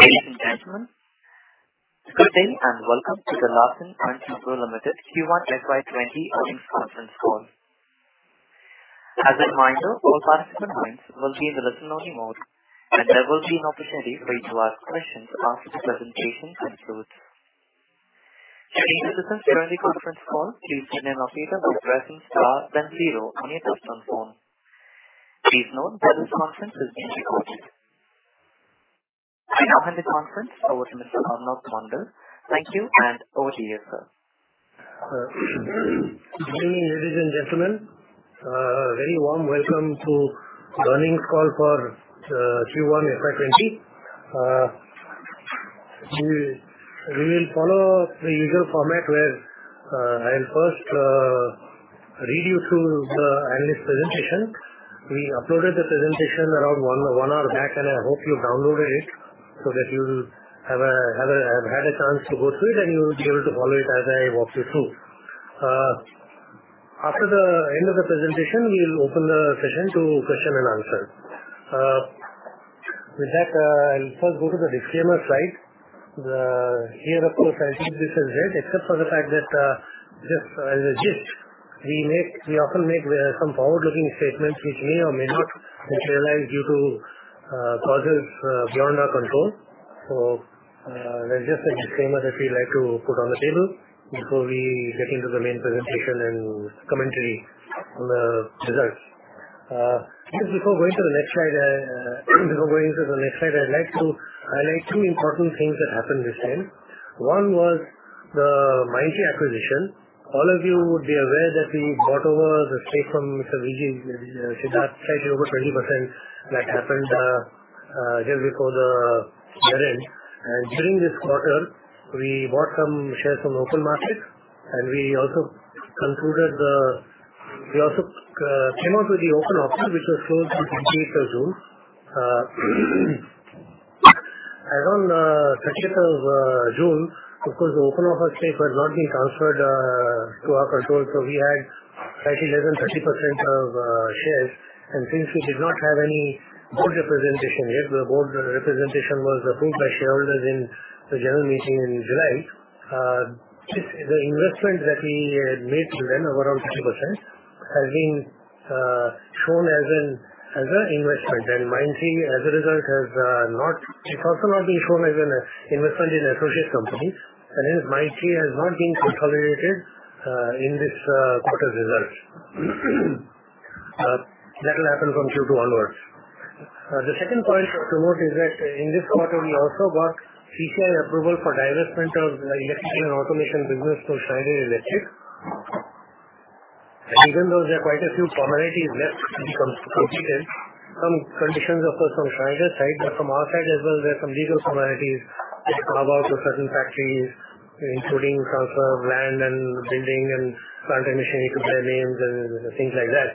Ladies and gentlemen, good day, welcome to the Larsen & Toubro Limited Q1 FY 2020 earnings conference call. As a reminder, all participant lines will be in the listen-only mode, and there will be an opportunity for you to ask questions after the presentation concludes. To listen to the conference call, please press star then zero on your touchtone phone. Please note that this conference is being recorded. I now hand the conference over to Mr. Arnob Mondal. Thank you, over to you, sir. Good evening, ladies and gentlemen. A very warm welcome to the earnings call for Q1 FY 2020. We will follow the usual format where I'll first read you through the analyst presentation. We uploaded the presentation around one hour back. I hope you downloaded it so that you have had a chance to go through it. You will be able to follow it as I walk you through. After the end of the presentation, we'll open the session to question and answer. With that, I'll first go to the disclaimer slide. Here, of course, I think this is it, except for the fact that, just as a gist, we often make some forward-looking statements which may or may not materialize due to causes beyond our control. That's just a disclaimer that we like to put on the table before we get into the main presentation and commentary on the results. Just before going to the next slide, I'd like to highlight two important things that happened this time. One was the Mindtree acquisition. All of you would be aware that we bought over the stake from Mr. V.G. Siddhartha, slightly over 20%, that happened just before the year-end. During this quarter, we bought some shares from the open market, and we also came up with the open offer, which was closed on 30th June. As on 30th of June, of course, the open offer stake was not being transferred to our control, so we had slightly less than 30% of shares. Since we did not have any board representation yet, the board representation was approved by shareholders in the general meeting in July. The investment that we had made till then, around 30%, has been shown as an investment. Mindtree, as a result, it's also not being shown as an investment in associate companies. That means Mindtree has not been consolidated in this quarter's results. That will happen from Q2 onwards. The second point to note is that in this quarter, we also got CCI approval for divestment of the electrical and automation business to Schneider Electric. Even though there are quite a few formalities left to be completed, some conditions, of course, from Schneider's side, but from our side as well, there are some legal formalities, like carve-outs of certain factories, including transfer of land and building and plant and machinery to their names and things like that.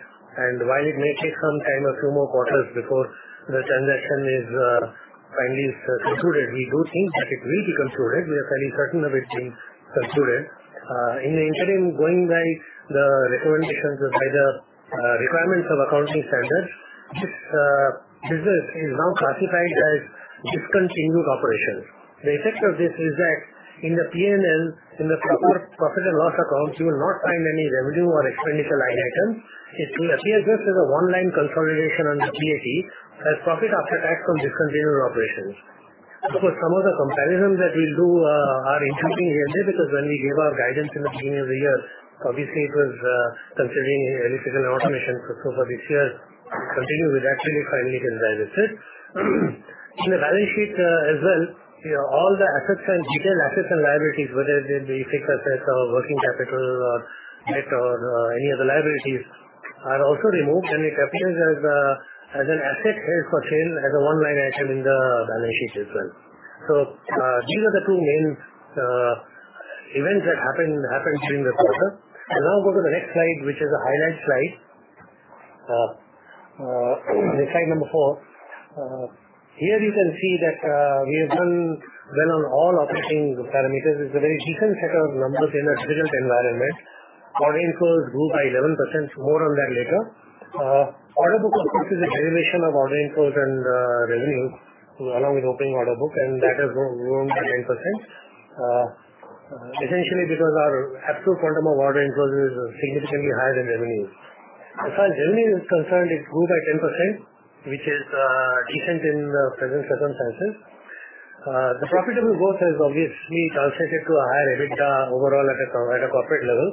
While it may take some time, a few more quarters, before the transaction is finally concluded, we do think that it will be concluded. We are fairly certain of it being concluded. In the interim, going by the requirements of accounting standards, this business is now classified as discontinued operations. The effect of this is that in the P&L, in the profit and loss accounts, you will not find any revenue or expenditure line item. It appears just as a one-line consolidation on the PAT as profit after tax from discontinued operations. Of course, some of the comparisons that we'll do are interesting here because when we gave our guidance in the beginning of the year, obviously it was considering Electrical and Automation for so far this year, continuing with that till it finally gets divested. In the balance sheet as well, all the detailed assets and liabilities, whether they be fixed assets or working capital or debt or any other liabilities, are also removed, and it appears as an asset held for sale as a one-line item in the balance sheet as well. These are the two main events that happened during this quarter. I'll now go to the next slide, which is a highlight slide. Slide number four. Here you can see that we have done well on all operating parameters. It's a very decent set of numbers in a difficult environment. Order inflows grew by 11%. More on that later. Order book, of course, is a derivation of order inflows and revenues, along with the opening order book, and that has grown by 9%, essentially because our absolute quantum of order inflows is significantly higher than revenues. As far as revenue is concerned, it grew by 10%, which is decent in the present circumstances. The profitable growth has obviously translated to a higher EBITDA overall at a corporate level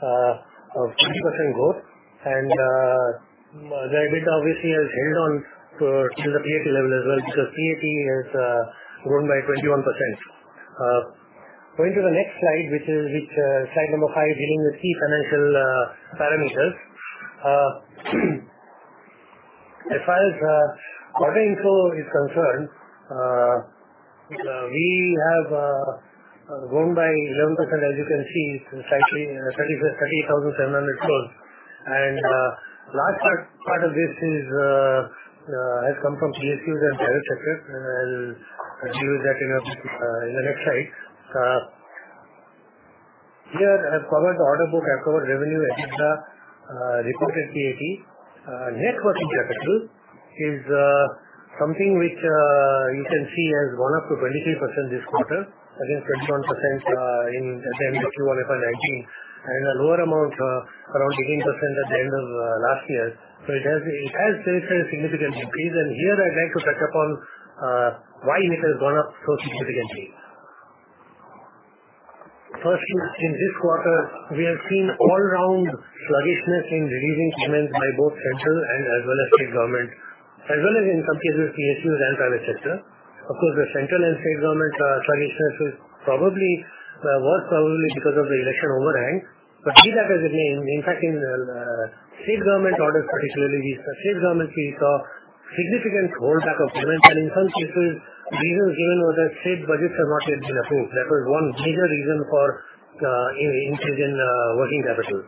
of 20% growth. The EBITDA obviously has held on to the PAT level as well, because PAT has grown by 21%. Going to the next slide, which is slide number five, dealing with key financial parameters. As far as order inflow is concerned, we have grown by 11%, as you can see, 38,700 crore. Large part of this has come from PSUs and direct sectors, and I'll show you that in the next slide. Here, as per the order book, accrued revenue, EBITDA, reported PAT. Net working capital is something which you can see has gone up to 23% this quarter against 21% in Q1 FY 2019 and a lower amount, around 18%, at the end of last year. It has increased significantly. Here I'd like to touch upon why it has gone up so significantly. Firstly, in this quarter, we have seen all-round sluggishness in releasing payments by both central and state government, as well as in some cases PSU and private sector. Of course, the central and state government sluggishness is probably worse probably because of the election overhang. Be that as it may, in fact, in state government orders particularly, we saw significant holdback of payments. In some cases, reason given was that state budgets have not yet been approved. That was one major reason for increase in working capital.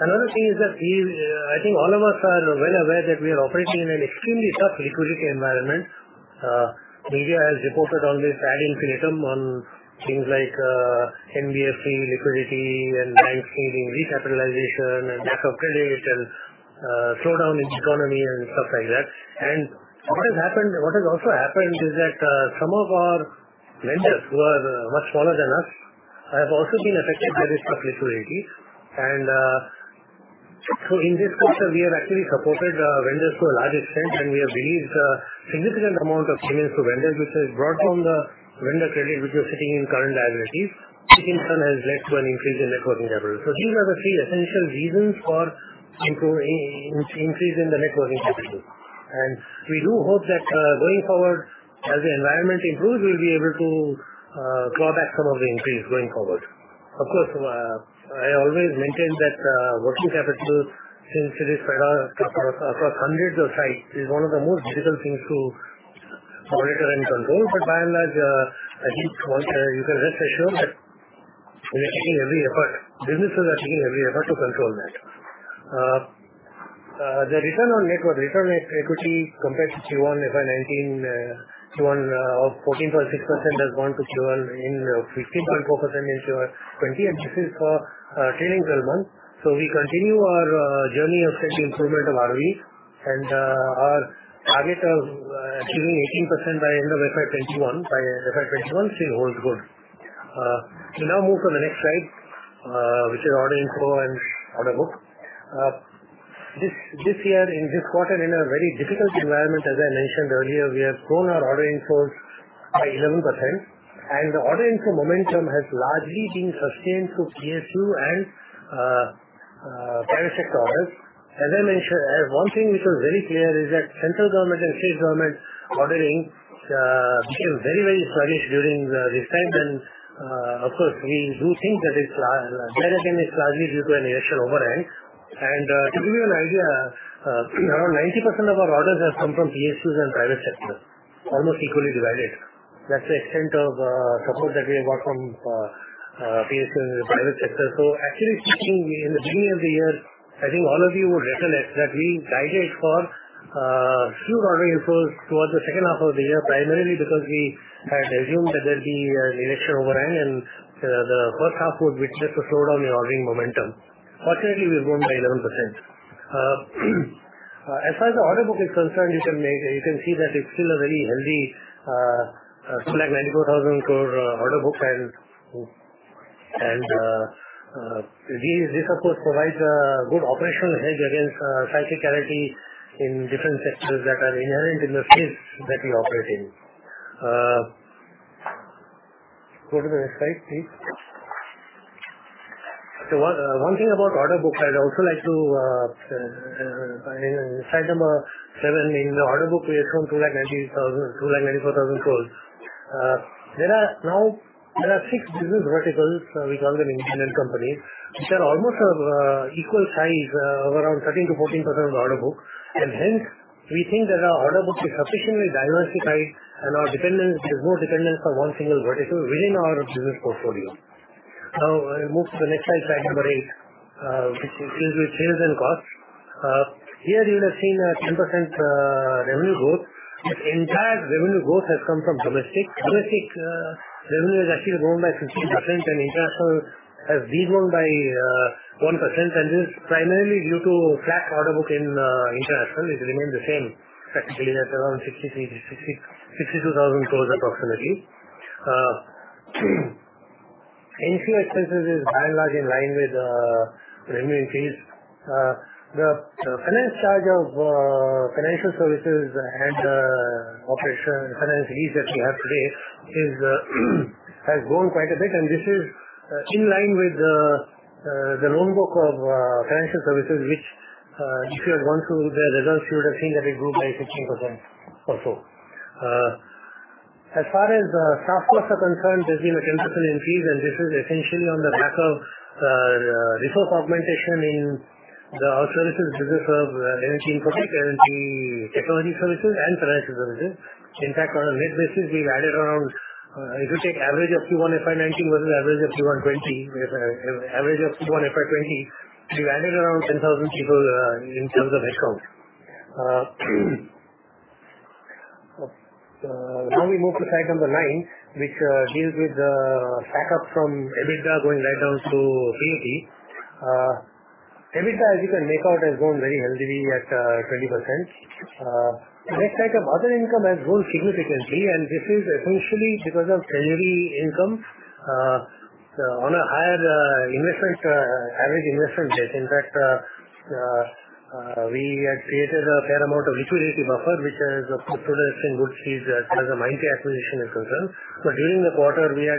Another thing is that I think all of us are well aware that we are operating in an extremely tough liquidity environment. Media has reported ad infinitum on things like NBFC liquidity and banks needing recapitalization and lack of credit and slowdown in economy and stuff like that. What has also happened is that some of our vendors who are much smaller than us have also been affected by this tough liquidity. In this quarter, we have actually supported vendors to a large extent, and we have released a significant amount of payments to vendors, which has brought down the vendor credit which was sitting in current liabilities, which in turn has led to an increase in net working capital. These are the three essential reasons for increase in the net working capital. We do hope that going forward, as the environment improves, we'll be able to claw back some of the increase going forward. Of course, I always maintain that working capital, since it is spread across hundreds of sites, is one of the most difficult things to monitor and control. By and large, I think you can rest assured that we are taking every effort, businesses are taking every effort to control that. The return on net worth, return on equity compared to Q1 FY 2019 of 14.6% has gone to Q1 in 15.4% in Q1 '20, and this is for trailing 12 months. We continue our journey of steady improvement of ROE, and our target of achieving 18% by end of FY 2021 still holds good. We now move to the next slide, which is order inflow and order book. This year, in this quarter in a very difficult environment, as I mentioned earlier, we have grown our order inflows by 11%. The order inflow momentum has largely been sustained through PSU and private sector orders. As I mentioned, one thing which was very clear is that central government and state government ordering became very sluggish during this time. Of course, we do think that again, is largely due to an election overhang. To give you an idea, around 90% of our orders have come from PSUs and private sector, almost equally divided. That's the extent of support that we have got from PSU and private sector. Actually speaking, in the beginning of the year, I think all of you would recollect that we guided for few order inflows towards the second half of the year, primarily because we had assumed that there'd be an election overhang and the first half would witness a slowdown in ordering momentum. Fortunately, we've grown by 11%. As far as the order book is concerned, you can see that it's still a very healthy 2,94,000 crore order book. This, of course, provides a good operational hedge against cyclicality in different sectors that are inherent in the space that we operate in. Go to the next slide, please. One thing about order book I'd also like to Slide number seven. In the order book, we have shown 2,94,000 crore. There are now six business verticals. We call them independent companies, which are almost of equal size, around 13%-14% of the order book. Hence, we think that our order book is sufficiently diversified and there is no dependence on one single vertical within our business portfolio. Now, I move to the next slide number eight, which deals with sales and cost. Here you would have seen a 10% revenue growth. That entire revenue growth has come from domestic. Domestic revenue has actually grown by 15%, and international has de-grown by 1%. This is primarily due to flat order book in international. It remains the same, practically at around 62,000 crore approximately. NPU expenses is by and large in line with revenue fees. The finance charge of financial services and finance lease that we have today has grown quite a bit, and this is in line with the loan book of financial services, which if you had gone through the results, you would have seen that it grew by 15% or so. As far as staff costs are concerned, there's been a 10% increase, and this is essentially on the back of resource augmentation in our services business of L&T Infotech and Technology Services, and financial services. In fact, on a net basis, if you take average of Q1 FY 2019 versus average of Q1 FY 2020, we've added around 10,000 people in terms of headcount. We move to slide number nine, which deals with the backup from EBITDA going right down to P&L. EBITDA, as you can make out, has grown very healthily at 20%. The type of other income has grown significantly, this is essentially because of treasury income on a higher average investment debt. In fact, we had created a fair amount of liquidity buffer, which has proved to us in good stead as a Mindtree acquisition in terms. During the quarter, on the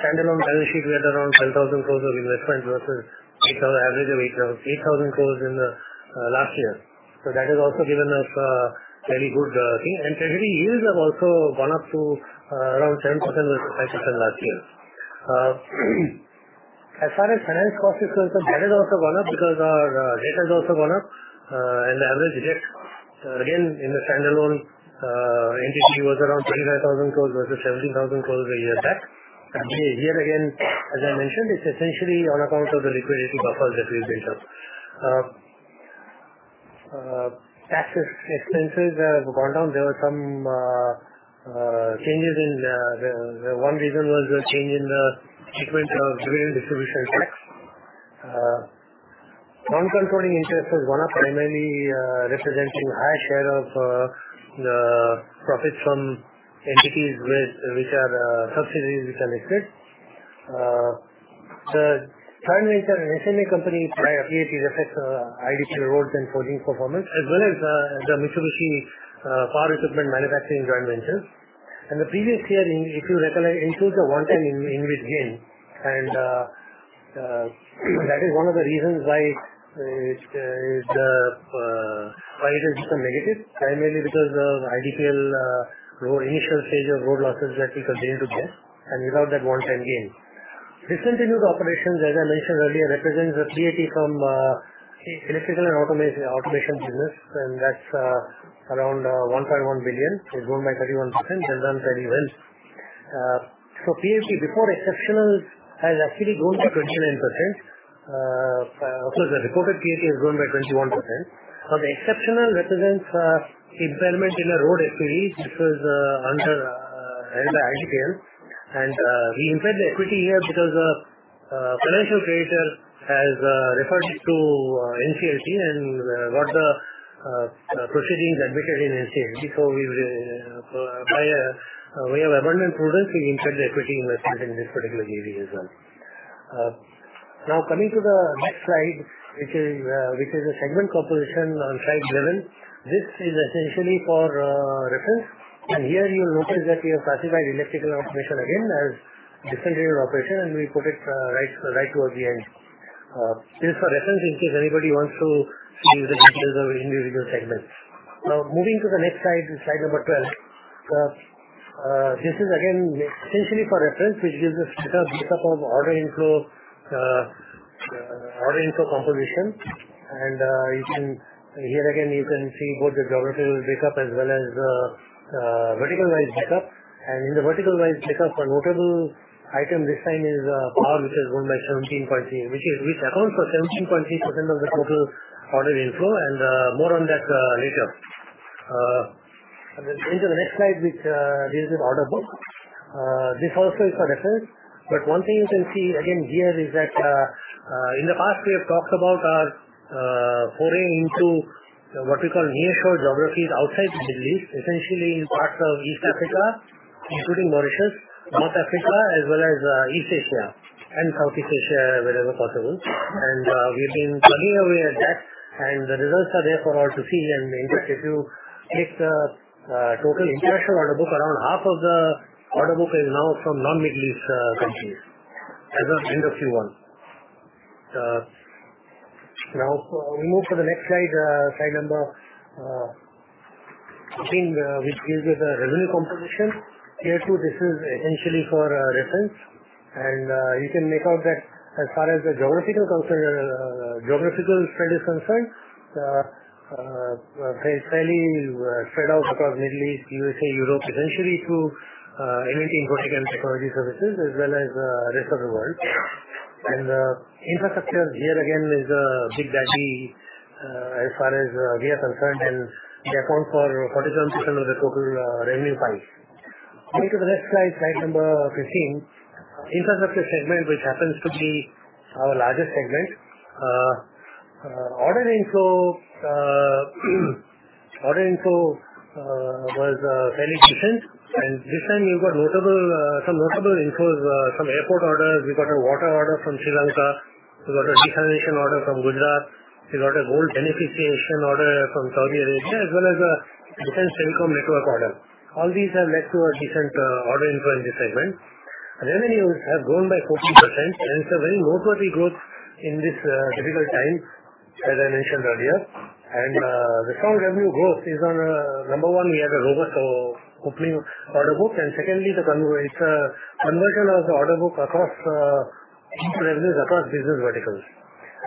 standalone balance sheet, we had around 10,000 crore of investment versus average of 8,000 crore in the last year. That has also given us a very good thing. Treasury yields have also gone up to around 10% versus 5% last year. As far as finance cost is concerned, that has also gone up because our debt has also gone up, and the average debt, again, in the standalone entity was around 35,000 crore versus 17,000 crore a year back. Actually, here again, as I mentioned, it's essentially on account of the liquidity buffer that we've built up. Tax expenses have gone down. There were some changes. One reason was a change in the treatment of dividend distribution tax. Non-controlling interest has gone up, primarily representing a higher share of the profits from entities which are subsidiaries we can expect. The Transmission and Distribution company buyup clearly reflects IDPL Road's and tolling performance, as well as the Mitsubishi Power Equipment manufacturing joint venture. The previous year, if you recall, includes the one-time invoice gain. That is one of the reasons why it is negative, primarily because of IDPL initial stage of road losses that we continue to get, and without that one-time gain. Discontinued operations, as I mentioned earlier, represents the PAT from Electrical and Automation Business, and that's around 1.1 billion. It's grown by 31%, done very well. PAT, before exceptional, has actually grown to 29%. Of course, the reported PAT has grown by 21%. The exceptional represents impairment in a road SPV, which is under IDPL. We impaired the equity here because the financial creditor has referred it to NCLT and got the proceedings admitted in NCLT. By way of abundant prudence, we impaired the equity investment in this particular deal as well. Coming to the next slide, which is the segment composition on slide 11. This is essentially for reference, and here you'll notice that we have classified Electrical and Automation again as a discontinued operation, and we put it right towards the end. This is for reference in case anybody wants to see the details of individual segments. Moving to the next slide number 12. This is again essentially for reference. This gives a better breakup of order inflow composition. Here again, you can see both the geographical breakup as well as the vertical-wise breakup. In the vertical-wise breakup, a notable item this time is power, which accounts for 17.3% of the total order inflow, and more on that later. We enter the next slide, which deals with order book. This also is for reference. One thing you can see again here is that in the past, we have talked about our foray into what we call near-shore geographies outside the Middle East, essentially in parts of East Africa, including Mauritius, North Africa, as well as East Asia and South East Asia, wherever possible. We've been plugging away at that, and the results are there for all to see. In fact, if you take the total international order book, around 1/2 of the order book is now from non-Middle East countries, as well as industry ones. Now, we move to the next slide number 15, which gives you the revenue composition. Here, too, this is essentially for reference. You can make out that as far as the geographical spread is concerned, fairly spread out across Middle East, U.S.A., Europe, essentially through L&T Infotech and Technology Services, as well as the rest of the world. Infrastructure here again is a big daddy, as far as we are concerned, and they account for 47% of the total revenue pie. Coming to the next slide number 15. Infrastructure segment, which happens to be our largest segment. Order inflow was fairly decent, and this time we've got some notable inflows, some airport orders. We got a water order from Sri Lanka. We got a desalination order from Qatar. We got a gold beneficiation order from Saudi Arabia, as well as a defense telecom network order. All these have led to a decent order inflow in this segment. Revenues have grown by 14%. It's a very noteworthy growth in this difficult time, as I mentioned earlier. The strong revenue growth is on, number one, we have a robust coupling order book, and secondly, it's a conversion of the order book across business verticals.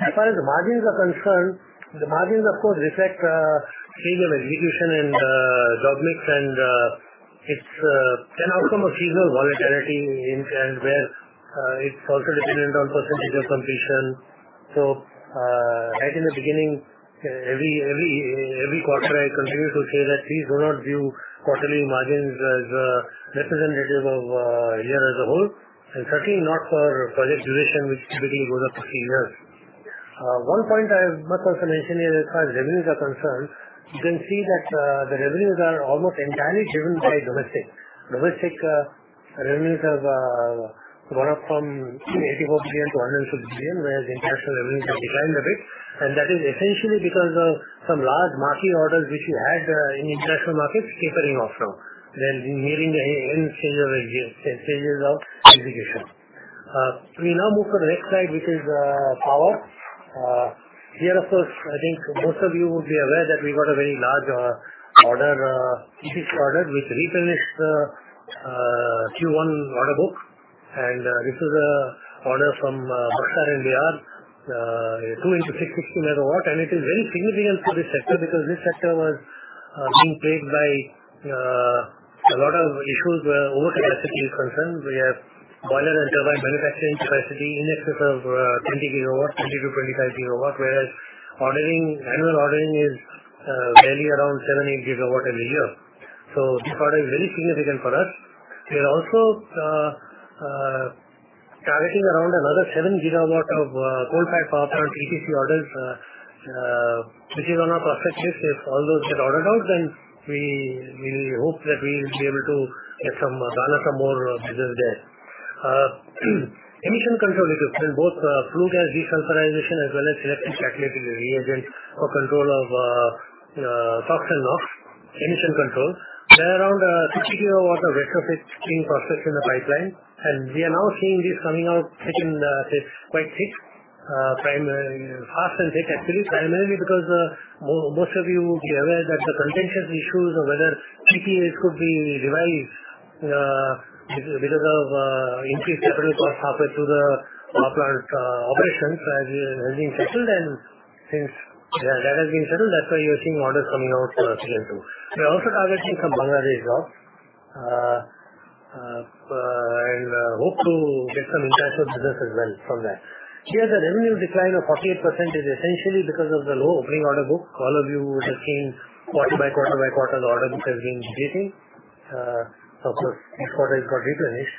As far as the margins are concerned, the margins, of course, reflect change of execution in job mix and it can also have seasonal volatility and where it's also dependent on percentage of completion. Right in the beginning, every quarter, I continue to say that please do not view quarterly margins as representative of a year as a whole, and certainly not for project duration, which typically goes up to two years. One point I must also mention here, as far as revenues are concerned, you can see that the revenues are almost entirely driven by domestic. Domestic revenues have gone up from 28,400 crore to 102,000 crore, whereas international revenues have declined a bit. That is essentially because of some large marquee orders which we had in international markets tapering off now. They're nearing the end stages of execution. We now move to the next slide, which is Power. Here, of course, I think most of you would be aware that we got a very large order, EPC order, which replenished the Q1 order book. This is a order from SJVN in Buxar, 2 into 660 MW. It is very significant for this sector because this sector was being plagued by a lot of issues where overcapacity is concerned. We have boiler and turbine manufacturing capacity in excess of 20 GW, 20-25 GW, whereas annual ordering is barely around 7-8 GW a year. This order is very significant for us. We are also targeting around another 7 GW of coal-fired power plant PTC orders, which is on our process sheet. If all those get ordered out, then we hope that we will be able to garner some more business there. Emission control equipment, both flue gas desulfurization as well as selective catalytic reduction for control of NOx emission controls. There are around 60 GW of retrofit clean process in the pipeline. We are now seeing this coming out hitting the streets quite thick, fast and thick actually, primarily because most of you would be aware that the contentious issues of whether PPA could be revised because of increased capital cost offered to the power plant operations has been settled. Since that has been settled, that's why you're seeing orders coming out for Q2. We're also targeting some Bangladesh jobs and hope to get some international business as well from there. Here, the revenue decline of 48% is essentially because of the low opening order book. All of you would have seen quarter by quarter by quarter, the order books have been depleting. Of course, this quarter it got replenished.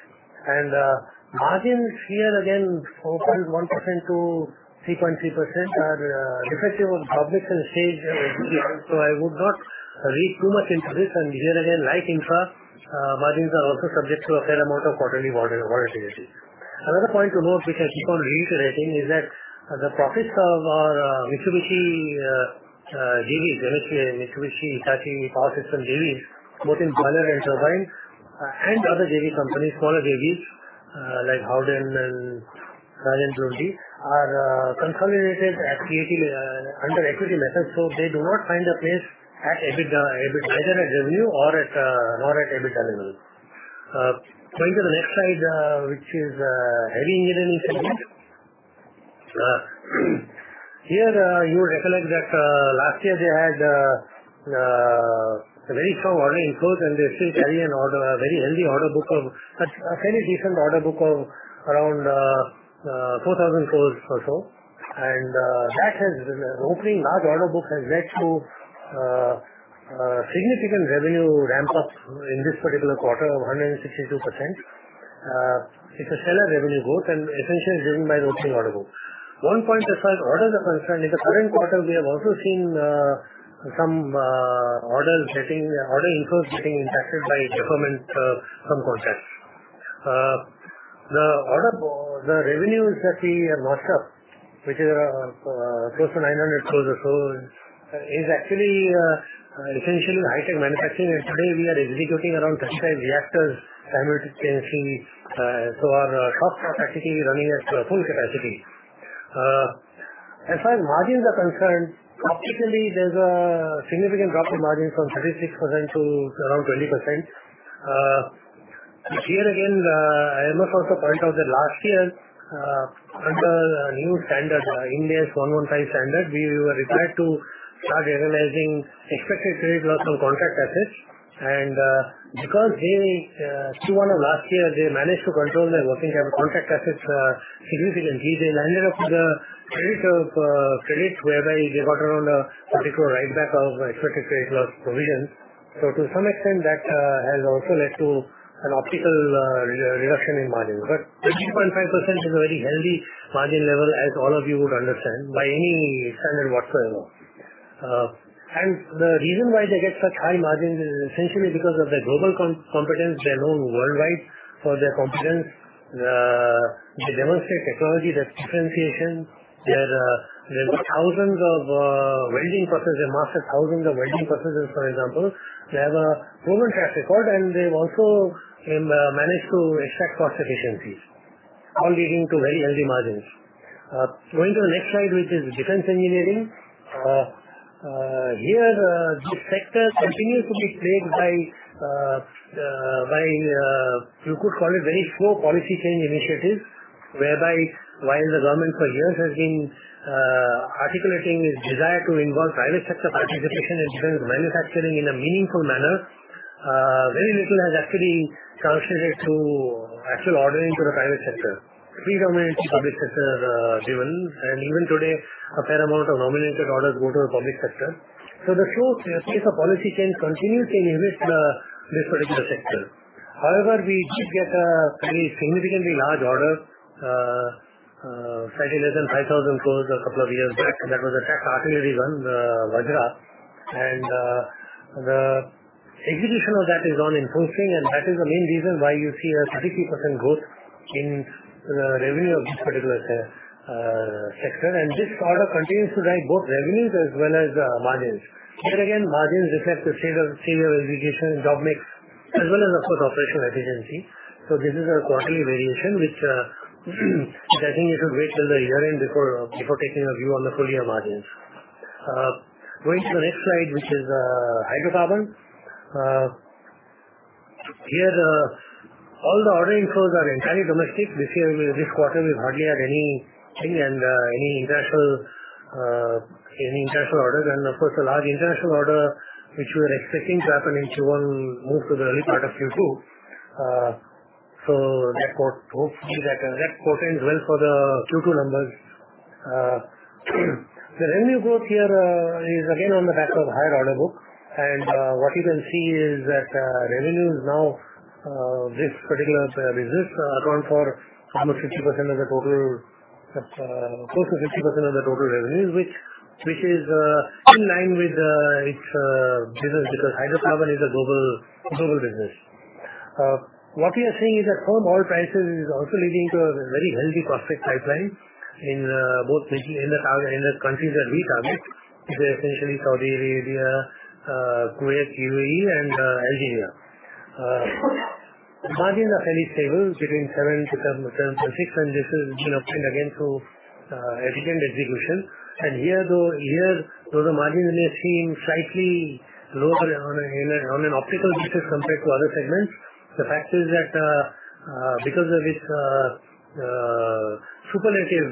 Margins here again, 4.1% to 3.3%, are reflective of public and stage. I would not read too much into this. Here again, like Infra, margins are also subject to a fair amount of quarterly volatility. Another point to note, which I keep on reiterating, is that the profits of our Mitsubishi JVs, Mitsubishi Hitachi Power Systems JVs, both in boiler and turbines, and other JV companies, smaller JVs like Howden and Larsen & Toubro, are consolidated under equity methods. They do not find a place either at revenue or at EBITDA level. Going to the next slide, which is Heavy Engineering segment. Here, you would recollect that last year they had a very slow ordering close, and they still carry a very healthy order book, a fairly decent order book of around 4,000 crore or so. Opening large order book has led to a significant revenue ramp-up in this particular quarter of 162%. It's a stellar revenue growth and essentially driven by the opening order book. One point as far as orders are concerned, in the current quarter, we have also seen some order inflows getting impacted by deferment from contracts. The revenue which we have notched up, which is close to INR 900 crore or so, is actually essentially high-tech manufacturing. Today, we are executing around pressure reactors, thermal expansion. Our shop floor capacity is running at full capacity. As far as margins are concerned, optically, there's a significant drop in margins from 36% to around 20%. Here again, I must also point out that last year, under a new standard, Ind AS 115 standard, we were required to start recognizing expected credit loss on contract assets. Because they, Q1 of last year, they managed to control their working capital contract assets significantly. They landed up with a credit whereby they got around a particular write-back of expected credit loss provision. To some extent, that has also led to an optical reduction in margin. 18.5% is a very healthy margin level, as all of you would understand, by any standard whatsoever. The reason why they get such high margins is essentially because of their global competence. They're known worldwide for their competence. They demonstrate technology differentiation. They mark 1,000 of welding processes, for example. They have a proven track record, and they've also managed to extract cost efficiencies, all leading to very healthy margins. Going to the next slide, which is Defense Engineering. Here, this sector continues to be plagued by, you could call it very slow policy change initiatives, whereby while the government for years has been articulating its desire to involve private sector participation in defense manufacturing in a meaningful manner. Very little has actually translated to actual ordering to the private sector. Predominantly public sector-driven, and even today, a fair amount of nominated orders go to the public sector. The slow pace of policy change continues to limit this particular sector. However, we did get a very significantly large order, slightly less than 5,000 crore a couple of years back. That was the K9 artillery gun, the Vajra. The execution of that is on in full swing, and that is the main reason why you see a 33% growth in the revenue of this particular sector. This order continues to drive both revenues as well as margins. Here again, margins reflect the scale of execution and job mix, as well as, of course, operational efficiency. This is a quarterly variation, which I think you should wait till the year-end before taking a view on the full-year margins. Going to the next slide, which is hydrocarbons. Here, all the ordering flows are entirely domestic. This quarter, we hardly had anything and any international orders, and of course, a large international order, which we're expecting to happen in Q1, move to the early part of Q2. Hopefully, that portends well for the Q2 numbers. The revenue growth here is again on the back of higher order book. What you can see is that revenues now, this particular business account for almost 60% of the total, close to 60% of the total revenues, which is in line with its business, because hydrocarbon is a global business. What we are seeing is that firm oil prices is also leading to a very healthy prospect pipeline in the countries that we target. These are essentially Saudi Arabia, Kuwait, UAE, and Algeria. Margins are fairly stable between 7% to 7.6%, and this is once again through efficient execution. Here, though the margins may seem slightly lower on an optical basis compared to other segments, the fact is that because of its superlative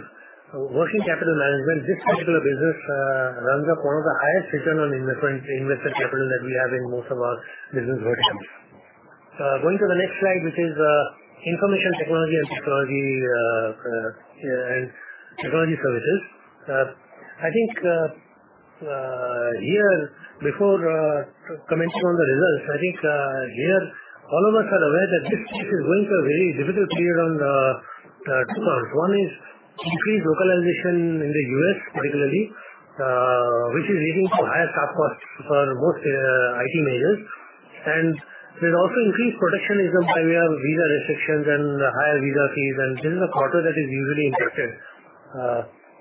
working capital management, this particular business runs up one of the highest return on invested capital that we have in most of our business verticals. Going to the next slide, which is Information Technology and Technology Services. I think here, before commenting on the results, I think here, all of us are aware that this space is going through a very difficult period on two counts. One is increased localization in the U.S., particularly, which is leading to higher staff costs for most IT majors. There's also increased protectionism by way of visa restrictions and higher visa fees, and this is a quarter that is usually impacted.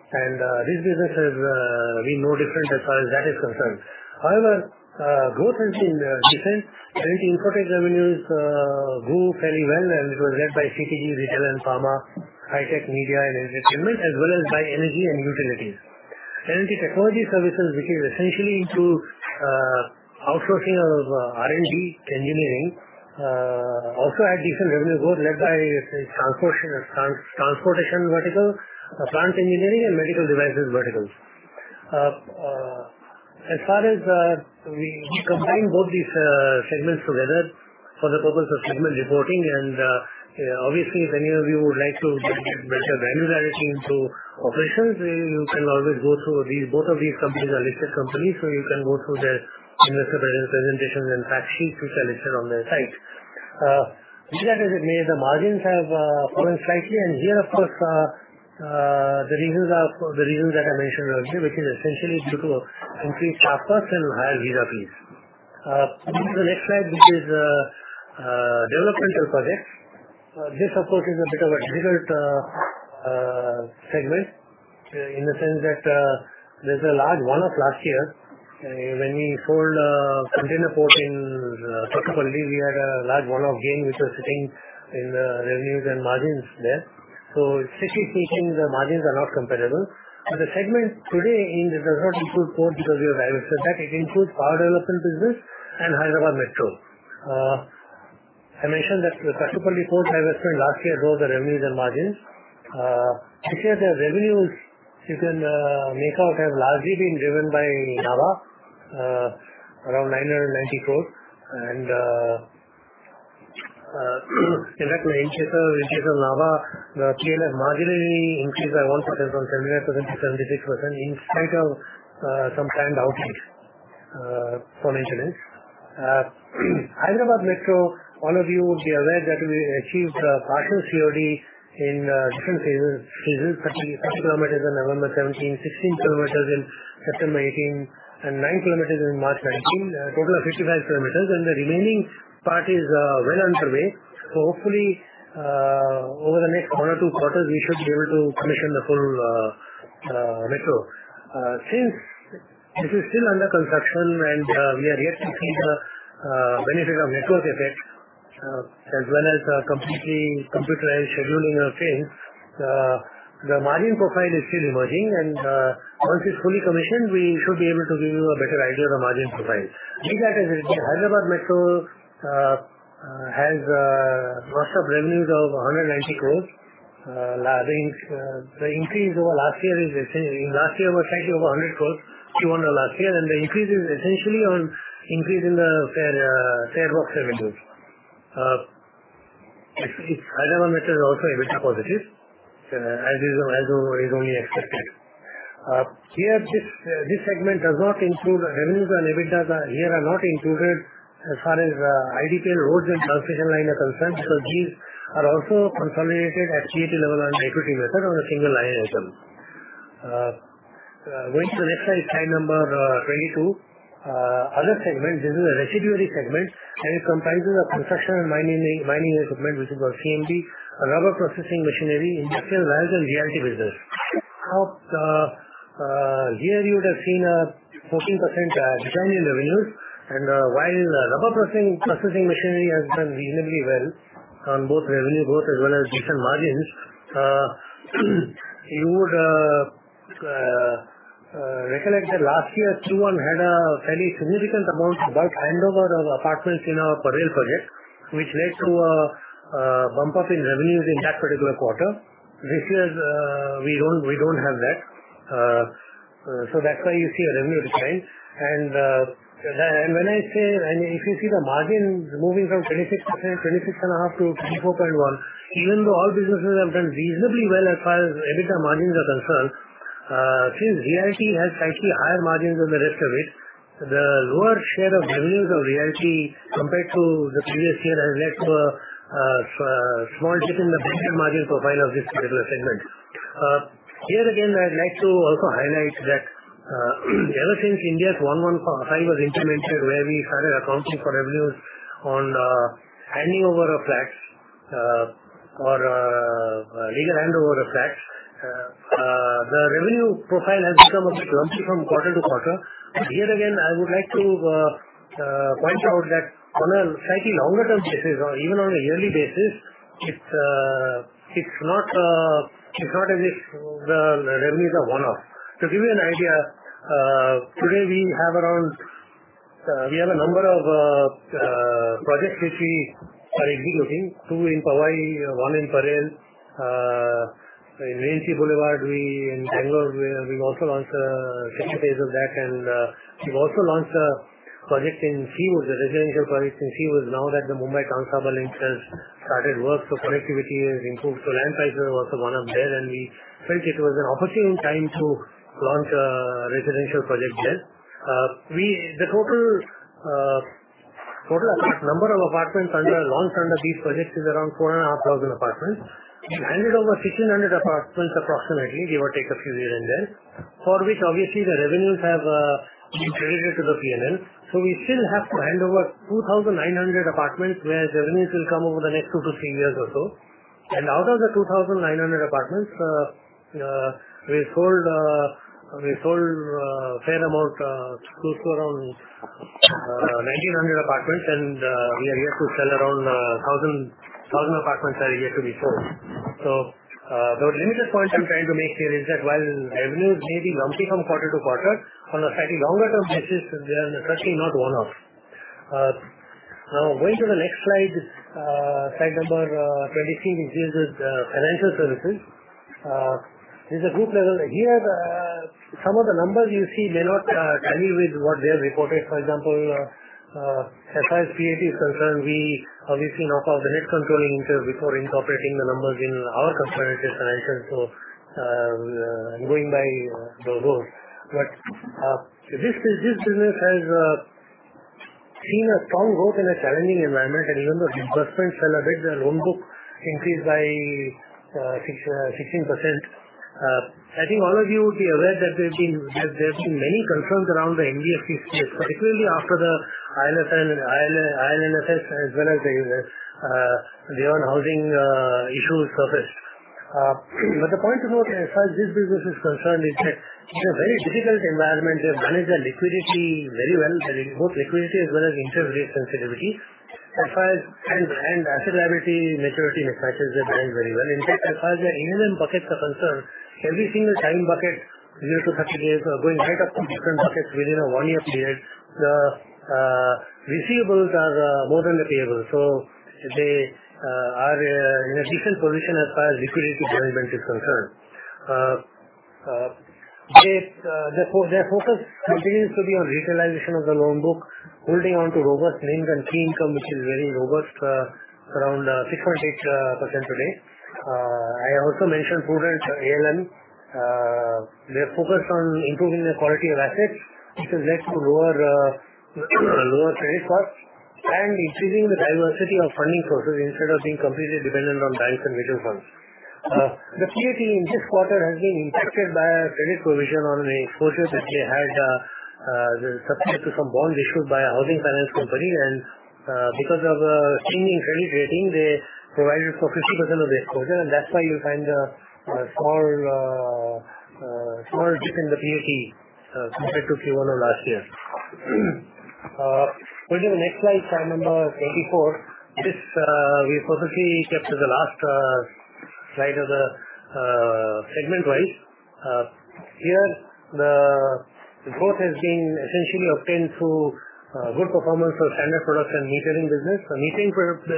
This business has been no different as far as that is concerned. However, growth has been decent. L&T Infotech revenues grew fairly well, and it was led by CPG, retail, and pharma, high tech, media, and entertainment, as well as by energy and utilities. Energy technology services, which is essentially into outsourcing of R&D engineering, also had decent revenue growth led by the transportation vertical, plant engineering, and medical devices verticals. As far as we combine both these segments together for the purpose of segment reporting, and obviously, if any of you would like to get better granularity into operations, you can always go through. Both of these companies are listed companies, so you can go through their investor presentations and fact sheets, which are listed on their site. Be that as it may, the margins have fallen slightly, and here, of course, the reasons that I mentioned earlier, which is essentially due to increased staff costs and higher visa fees. Moving to the next slide, which is developmental projects. This, of course, is a bit of a difficult segment in the sense that there's a large one-off last year. When we sold a container port in Kattupalli, we had a large one-off gain, which was sitting in the revenues and margins there. Strictly speaking, the margins are not comparable. The segment today, it does not include ports because we have divested that. It includes power development business and Hyderabad Metro. I mentioned that the Kattupalli port divestment last year drove the revenues and margins. This year, the revenues, you can make out, have largely been driven by Nabha, around 990 crore. In fact, in case of Nabha, the PLF margin increased by 1% from 75% to 76%, in spite of some planned outage for maintenance. Hyderabad Metro, all of you will be aware that we achieved partial COD in different phases. 31 km on November 2017, 16 km in December 2018, and 9 km in March 2019, a total of 55 km, and the remaining part is well underway. Hopefully, over the next one or two quarters, we should be able to commission the full metro. Since it is still under construction and we are yet to see the benefit of network effect, as well as completely computerized scheduling of trains, the margin profile is still emerging, and once it is fully commissioned, we should be able to give you a better idea of the margin profile. Be that as it may, Hyderabad Metro has first-up revenues of 190 crore. The increase over last year is essentially last year was slightly over 100 crore, Q1 of last year, and the increase is essentially on increase in the farebox revenues. The Metro itself is also EBITDA positive, as is only expected. Here, this segment does not include revenues and EBITDA here are not included as far as IDPL roads and transmission line are concerned, because these are also consolidated at PAT level on the equity method on a single-line item. Going to the next slide number 22. Other segment. This is a residuary segment and it comprises of construction and mining equipment, which is our CME, rubber processing machinery, industrial valves and realty business. Here you would have seen a 14% decline in revenues and while rubber processing machinery has done reasonably well on both revenue growth as well as decent margins, you would recollect that last year, Q1 had a fairly significant amount of bulk handover of apartments in our Parel project, which led to a bump-up in revenues in that particular quarter. This year we don't have that. That's why you see a revenue decline. If you see the margin moving from 26.5% to 24.1%, even though all businesses have done reasonably well as far as EBITDA margins are concerned, since realty has slightly higher margins than the rest of it, the lower share of revenues of realty compared to the previous year has led to a small dip in the EBITDA margin profile of this particular segment. Here again, I'd like to also highlight that ever since Ind AS 115 was implemented, where we started accounting for revenues on handing over of flats or legal handover of flats, the revenue profile has become a bit lumpy from quarter to quarter. Here again, I would like to point out that on a slightly longer term basis or even on a yearly basis, it's not as if the revenues are one-off. To give you an idea, today we have a number of projects which we are executing, 2 in Powai, 1 in Parel. In Raintree Boulevard, in Bangalore, we've also launched the second phase of that, and we've also launched a residential project in Seawoods now that the Mumbai Trans Harbour Link has started work, so connectivity has improved. Land prices have also gone up there, and we felt it was an opportune time to launch a residential project there. The total number of apartments launched under these projects is around 4,500 apartments. We handed over 1,500 apartments approximately, give or take a few here and there, for which obviously the revenues have been credited to the P&L. We still have to hand over 2,900 apartments where the revenues will come over the next two to three years or so. Out of the 2,900 apartments, we sold a fair amount close to around 1,900 apartments, and we are yet to sell around 1,000 apartments are yet to be sold. The limited point I'm trying to make here is that while revenues may be lumpy from quarter to quarter, on a slightly longer term basis, they are certainly not one-off. Going to the next slide number 23, which deals with financial services. This is a group level. Some of the numbers you see may not tally with what we have reported. As far as PAT is concerned, we obviously knock off the head controlling interest before incorporating the numbers in our consolidated financials. I'm going by those. This business has seen a strong growth in a challenging environment and remember, disbursements ahead their loan book increased by 16%. I think all of you would be aware that there have been many concerns around the NBFC space, particularly after the IL&FS as well as the housing issues surfaced. The point to note as far as this business is concerned is that in a very difficult environment, they've managed their liquidity very well, both liquidity as well as interest rate sensitivity. Asset liability maturity mismatches, they've done very well. In fact, as far as their inland buckets are concerned, every single time bucket 0-30 days are going right up to different buckets within a one-year period. The receivables are more than the payables, so they are in a decent position as far as liquidity management is concerned. Their focus continues to be on retailization of the loan book, holding on to robust NIM and fee income, which is very robust, around 6.8% today. I also mentioned prudent ALM. They are focused on improving the quality of assets, which has led to lower credit costs and increasing the diversity of funding sources instead of being completely dependent on banks and mutual funds. The PAT in this quarter has been impacted by a credit provision on an exposure that they had subject to some bonds issued by a housing finance company, and because of a thinning credit rating, they provided for 50% of the exposure, and that's why you find a small dip in the PAT compared to Q1 of last year. Going to the next slide number 24. We purposely kept the last slide as segment-wise. Here, the growth has been essentially obtained through good performance of standard products and metering business. Metering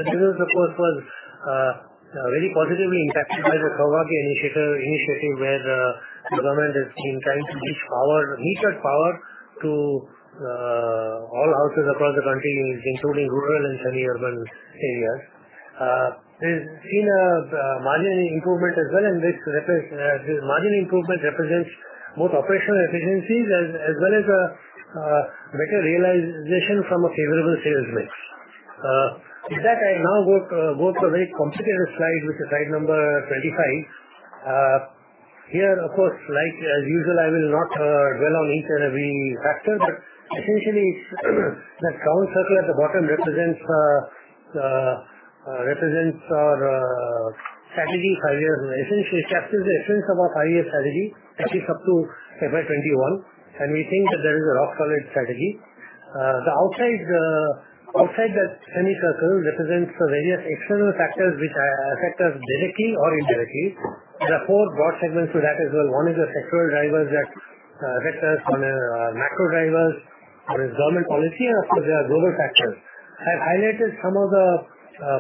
business, of course, was very positively impacted by the Saubhagya initiative, where the government has been trying to reach metered power to all houses across the country, including rural and semi-urban areas. There's been a marginal improvement as well, and this marginal improvement represents both operational efficiencies as well as a better realization from a favorable sales mix. With that, I now go to a very complicated slide, which is slide number 25. Here, of course, like as usual, I will not dwell on each and every factor, but essentially that round circle at the bottom represents our strategy five years. Essentially, it captures the essence of our five-year strategy, that is up to FY 2021, and we think that that is a rock solid strategy. Outside that semi-circle represents the various external factors which affect us directly or indirectly. There are four broad segments to that as well. One is the sectoral drivers that affect us, macro drivers, there is government policy, and of course, there are global factors. I've highlighted some of the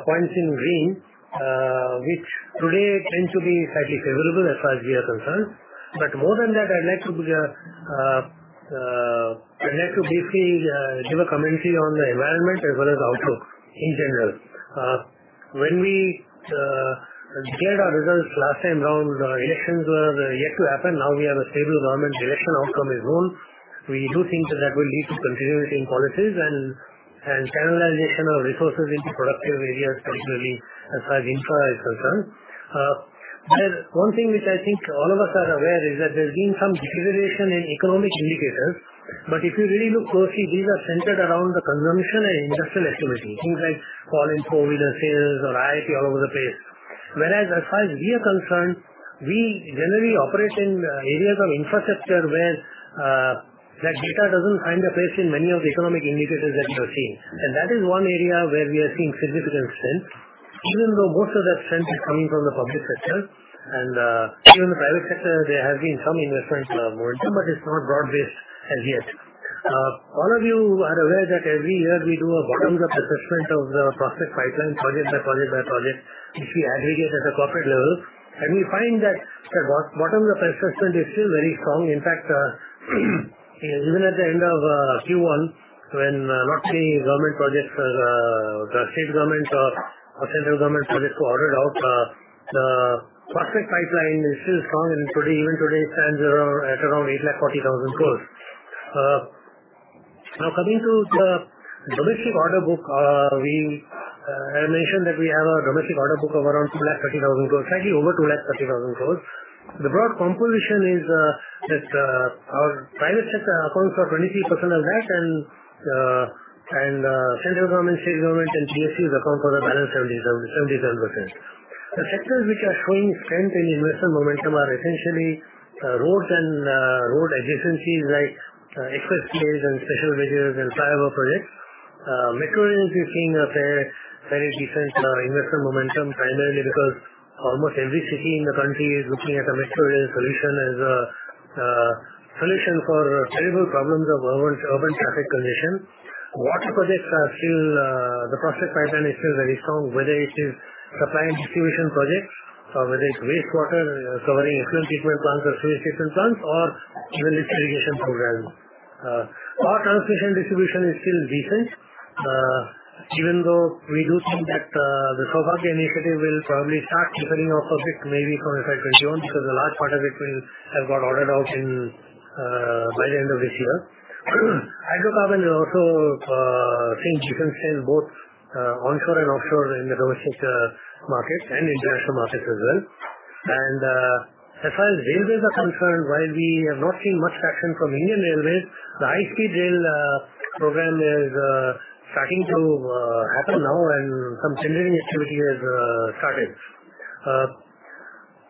points in green, which today tend to be slightly favorable as far as we are concerned. More than that, I'd like to briefly give a commentary on the environment as well as outlook in general. When we declared our results last time around, the elections were yet to happen. Now we have a stable government. The election outcome is known. We do think that that will lead to continuity in policies and channelization of resources into productive areas, particularly as far as infra is concerned. There's one thing which I think all of us are aware of, is that there's been some deterioration in economic indicators. If you really look closely, these are centered around the consumption and industrial activity. Things like fall in COVID and sales or IIP all over the place. As far as we are concerned, we generally operate in areas of infrastructure where that data doesn't find a place in many of the economic indicators that you are seeing. That is one area where we are seeing significant strength, even though most of that strength is coming from the public sector and even the private sector, there has been some investment momentum, but it's not broad-based as yet. All of you are aware that every year we do a bottoms-up assessment of the prospect pipeline, project by project, which we aggregate at the corporate level. We find that the bottoms-up assessment is still very strong. In fact, even at the end of Q1, when not many government projects, state government or central government projects were ordered out, the prospect pipeline is still strong and even today stands at around 840,000 crore. Coming to the domestic order book. I mentioned that we have a domestic order book of around 230,000 crore, slightly over 230,000 crore. The broad composition is that our private sector accounts for 23% of that and central government, state government, and PSUs account for the balance 77%. The sectors which are showing strength in investment momentum are essentially roads and road adjacencies like expressways and special bridges and flyover projects. Metro rail is seeing a very decent investment momentum, primarily because almost every city in the country is looking at a metro rail solution as a solution for terrible problems of urban traffic congestion. Water projects, the prospect pipeline is still very strong, whether it is supplying distribution projects or whether it's wastewater, covering effluent treatment plants or sewage treatment plants or even its irrigation program. Power transmission distribution is still decent, even though we do think that the Saubhagya initiative will probably start tapering off a bit, maybe from FY 2021, because a large part of it has got ordered out by the end of this year. Hydrocarbon has also seen decent strength both onshore and offshore in the domestic market and international markets as well. As far as railways are concerned, while we have not seen much traction from Indian Railways, the high-speed rail program is starting to happen now, and some tendering activity has started.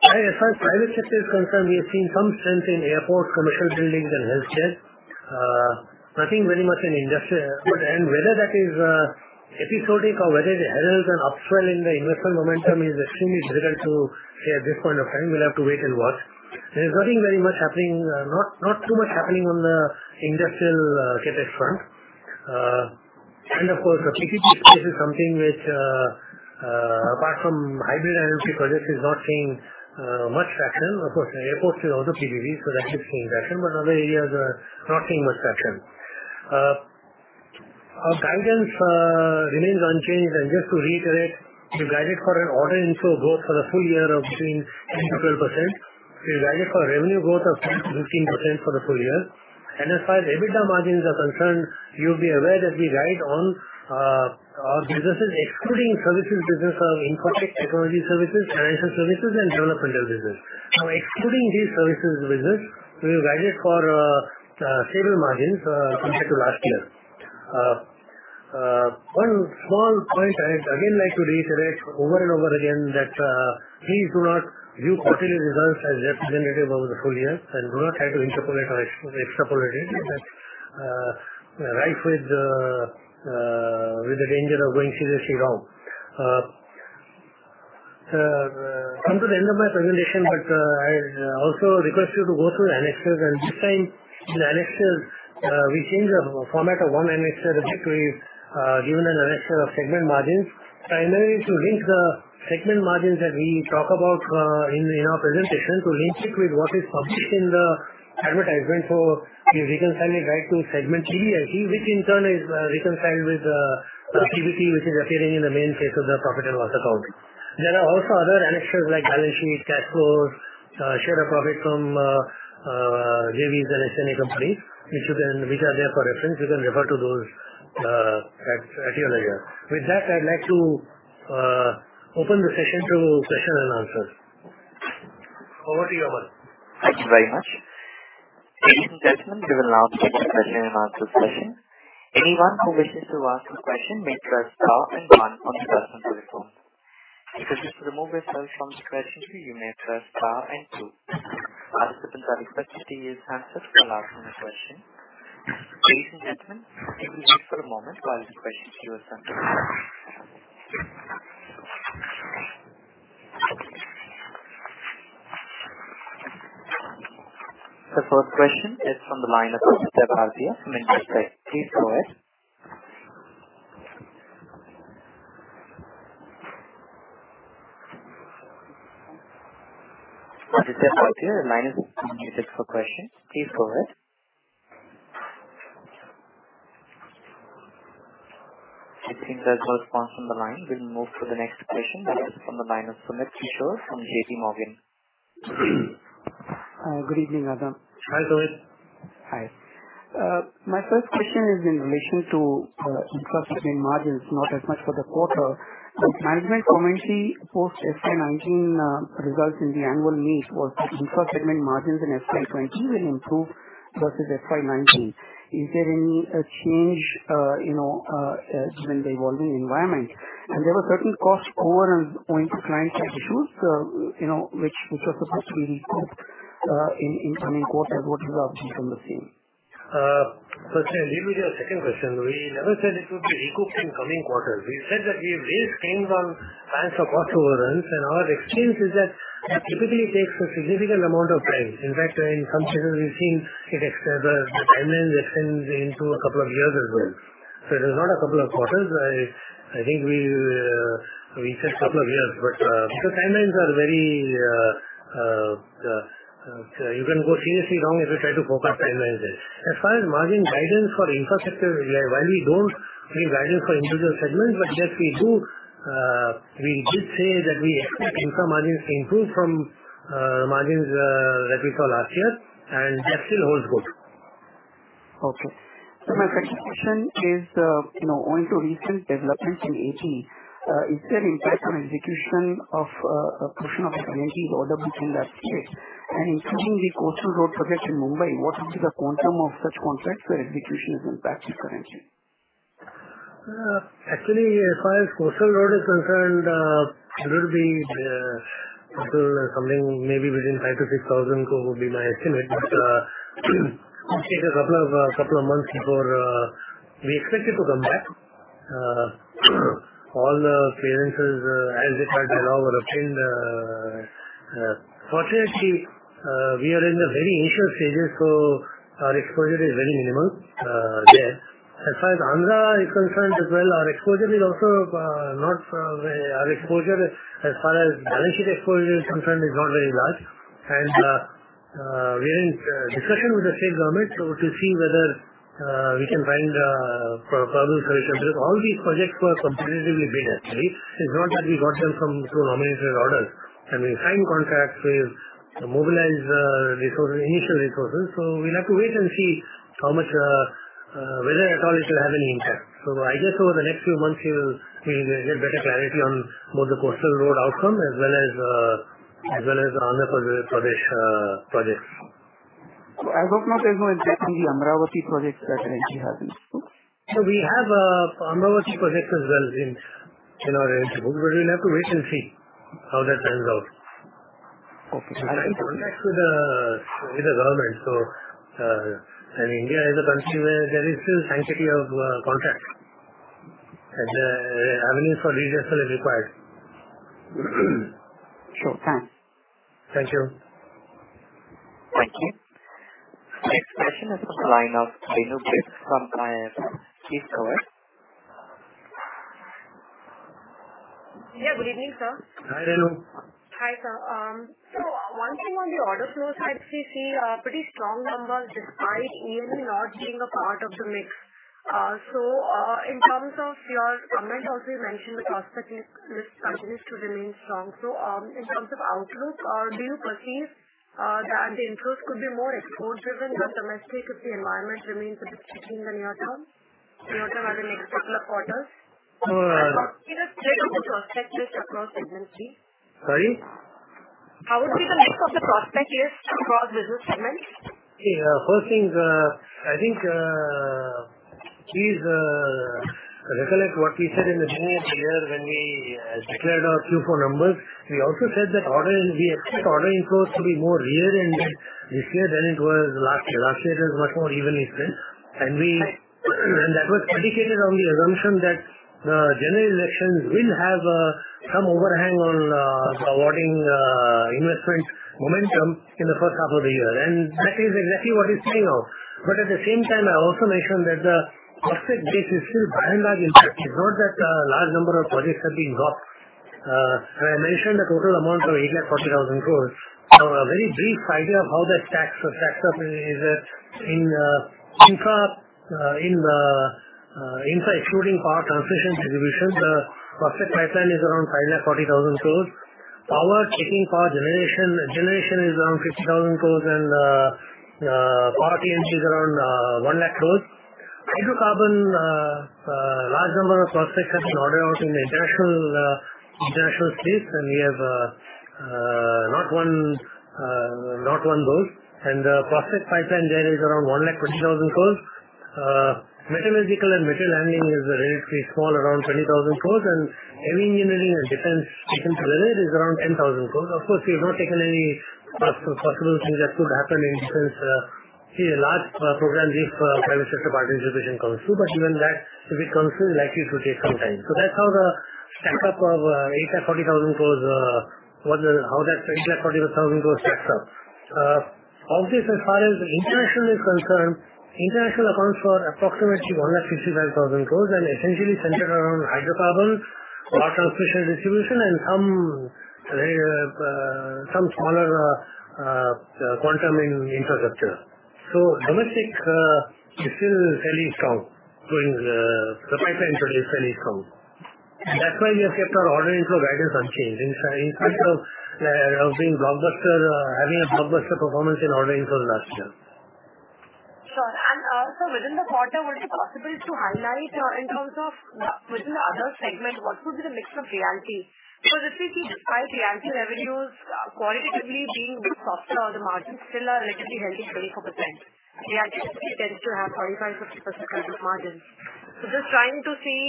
As far as private sector is concerned, we have seen some strength in airports, commercial buildings, and healthcare. Nothing very much in industrial output, whether that is episodic or whether it heralds an upswell in the investment momentum is extremely difficult to say at this point of time. We'll have to wait and watch. There's not too much happening on the industrial CapEx front. Of course, the PPP space is something which, apart from hybrid annuity projects, is not seeing much traction. Of course, airports is also PPP, that is seeing traction, other areas are not seeing much traction. Our guidance remains unchanged, just to reiterate, we've guided for an order inflow growth for the full year of between 10%-12%. We've guided for revenue growth of 10%-15% for the full year. As far as EBITDA margins are concerned, you'll be aware that we guide on our businesses excluding services business of Infotech Technology Services, financial services, and developmental business. Now, excluding these services business, we have guided for stable margins compared to last year. One small point I'd again like to reiterate over and over again, that please do not view quarterly results as representative of the full year and do not try to interpolate or extrapolate it. That's rife with the danger of going seriously wrong. We've come to the end of my presentation, but I also request you to go through the annexures. This time, in the annexures, we changed the format of one annexure, which we've given an annexure of segment margins. Primarily to link the segment margins that we talk about in our presentation, to link it with what is published in the advertisement for we reconcile it right to segment P&L. Which in turn is reconciled with the PBT, which is appearing in the main case of the profit and loss account. There are also other annexures like balance sheet, cash flows, share of profit from JVs and associate companies, which are there for reference. You can refer to those at your leisure. With that, I'd like to open the session to question and answers. Over to you, Aman. Thank you very much. Ladies and gentlemen, we will now take the question and answer session. Anyone who wishes to ask a question may press star and one on their telephone. If you wish to remove yourself from the question queue, you may press star and two. Participants are requested to use answers for asking a question. Ladies and gentlemen, if you wait for a moment while the question queue is unplugged. The first question is from the line of Debarpita from Investec. Please go ahead. Mr. Debarpita, your line is unmuted for questions. Please go ahead. I think there's no response from the line. We'll move to the next question. That is from the line of Sumit Kishore from JPMorgan. Good evening, Arnob. Hi, Sumit. Hi. My first question is in relation to infra segment margins, not as much for the quarter. Management commentary post FY 2019 results in the annual meet was that infra segment margins in FY 2020 will improve versus FY 2019. Is there any change given the evolving environment? There were certain cost over and owing to client side issues, which were supposed to be recouped in coming quarters. What is the update on the same? First, I'll deal with your second question. We never said it would be recouped in coming quarters. We said that we've raised claims on clients for cost overruns. Our experience is that it typically takes a significant amount of time. In fact, in some cases, we've seen the timelines extend into a couple of years as well. It is not a couple of quarters. I think we said couple of years. Because timelines are very, you can go seriously wrong if you try to forecast timelines there. As far as margin guidance for infrastructure, while we don't give guidance for individual segments, yes, we did say that we expect infra margins to improve from margins that we saw last year. That still holds good. Okay. My second question is owing to recent developments in A.P., is there impact on execution of a portion of the guaranteed order book in that state and including the coastal road project in Mumbai? What would be the quantum of such contracts where execution is impacted currently? Actually, as far as coastal road is concerned, it will be something maybe within 5,000 crore-6,000 crore would be my estimate. It will take a couple of months before we expect it to come back. All the clearances as required are now obtained. Fortunately, we are in the very initial stages, so our exposure is very minimal there. As far as Andhra is concerned as well, our balance sheet exposure is concerned is not very large. We are in discussion with the state government so to see whether we can find a probable solution. All these projects were competitively bid, actually. It's not that we got them through nominated orders. We've signed contracts, we've mobilized initial resources. We'll have to wait and see whether at all it will have any impact. I guess over the next few months, we will get better clarity on both the coastal road outcome as well as Andhra Pradesh projects. I hope not as well as get the Amaravati project that A.P. has. We have Amaravati project as well in our order book, but we'll have to wait and see how that turns out. Okay. We have contracts with the government. India is a country where there is still sanctity of contract, and avenues for redressal is required. Sure. Thanks. Thank you. Thank you. Next question is from the line of Renu Baid from IIFL. Please go ahead. Good evening, sir. Hi, Renu. Hi, sir. One thing on the order flow side, we see pretty strong numbers despite E&A not being a part of the mix. In terms of your comment also, you mentioned the prospect list continues to remain strong. In terms of outlook, do you perceive that the interest could be more export driven than domestic if the environment remains a bit tricky in the near term as in a couple of quarters? Uh- Give a state of the prospect list across segments, please. Sorry? How would be the mix of the prospect list across business segments? Okay. First thing is, I think, Please recollect what we said in the beginning of the year when we declared our Q4 numbers. We also said that we expect order inflows to be more linear in this year than it was last year. Last year, it was much more evenly spread. That was predicated on the assumption that the general elections will have some overhang on awarding investment momentum in the first half of the year. That is exactly what is playing out. At the same time, I also mentioned that the prospect base is still bang on target. It's not that a large number of projects have been dropped. I mentioned the total amount of 8,40,000 crore. Now, a very brief idea of how that stacks up is that in infra, excluding power transmission distribution, the prospect pipeline is around 5,40,000 crore. Power, taking power generation, is around 50,000 crore. Power TM is around 1,00,000 crore. Hydrocarbon, large number of prospects have been ordered out in the international space. We have not one goal. The prospect pipeline there is around 1,20,000 crore. Metallurgical and metal handling is relatively small, around 20,000 crore. Heavy engineering and defense-related is around 10,000 crore. Of course, we have not taken any possible things that could happen in defense. See, a large program is Private Sector Participation comes through. Even that, if it comes through, likely to take some time. That's how the stack-up of 8,40,000 crore stacks up. Of this, as far as international is concerned, international accounts for approximately 1,55,000 crore, essentially centered around hydrocarbons, power transmission distribution, and some smaller quantum in infrastructure. Domestic is still fairly strong. The pipeline today is fairly strong. That's why we have kept our order inflow guidance unchanged in spite of having a blockbuster performance in order inflows last year. Sure. Also within the quarter, would it be possible to highlight in terms of within the other segment, what would be the mix of realty? If we see, despite realty revenues qualitatively being bit softer, the margins still are relatively healthy at 24%. Realty tends to have 25%-50% kind of margins. Just trying to see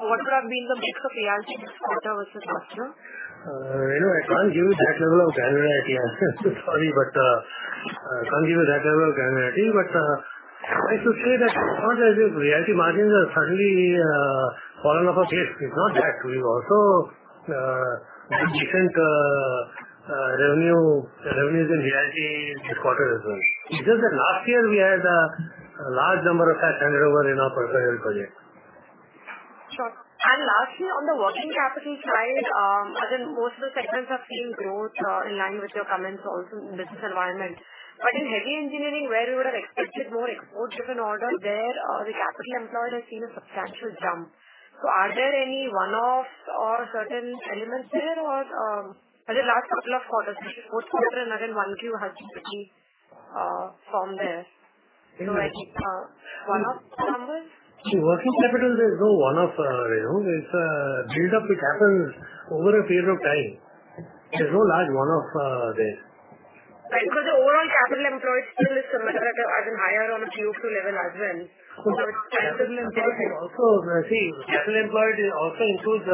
what would have been the mix of realty this quarter versus last year. I can't give you that level of granularity. Sorry, can't give you that level of granularity. I should say that it's not as if realty margins have suddenly fallen off a cliff. It's not that. We've also seen decent revenues in realty this quarter as well. It's just that last year we had a large number of fast turnover in our particular project. Sure. Lastly, on the working capital side, again, most of the segments are seeing growth in line with your comments also in business environment. In heavy engineering where you would have expected more export-driven order, there the capital employed has seen a substantial jump. Are there any one-offs or certain elements there? The last couple of quarters, actually fourth quarter and again one Q has shifted from there. No. Any one-off numbers? Working capital, there is no one-off. There is a buildup that happens over a period of time. There's no large one-off there. Right. The overall capital employed still is somewhat at a higher on a Q2 level as well. See, capital employed also includes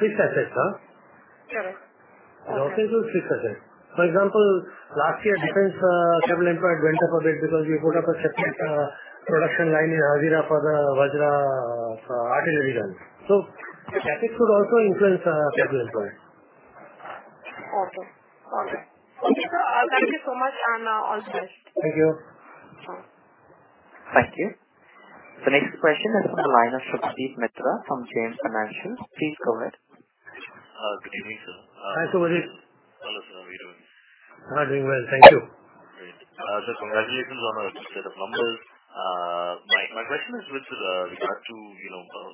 fixed assets. Correct. It also includes fixed assets. Example, last year, defense capital employed went up a bit because we put up a separate production line in Hazira for the Vajra artillery gun. Assets could also influence capital employed. Okay. Got it. Okay, sir. Thank you so much, and all the best. Thank you. Thank you. The next question is from the line of Shubdeep Mitra from JM Financial. Please go ahead. Good evening, sir. Hi, Shubdeep. Hello, sir. How are you doing? I'm doing well. Thank you. Great. Sir, congratulations on a good set of numbers. My question is with regard to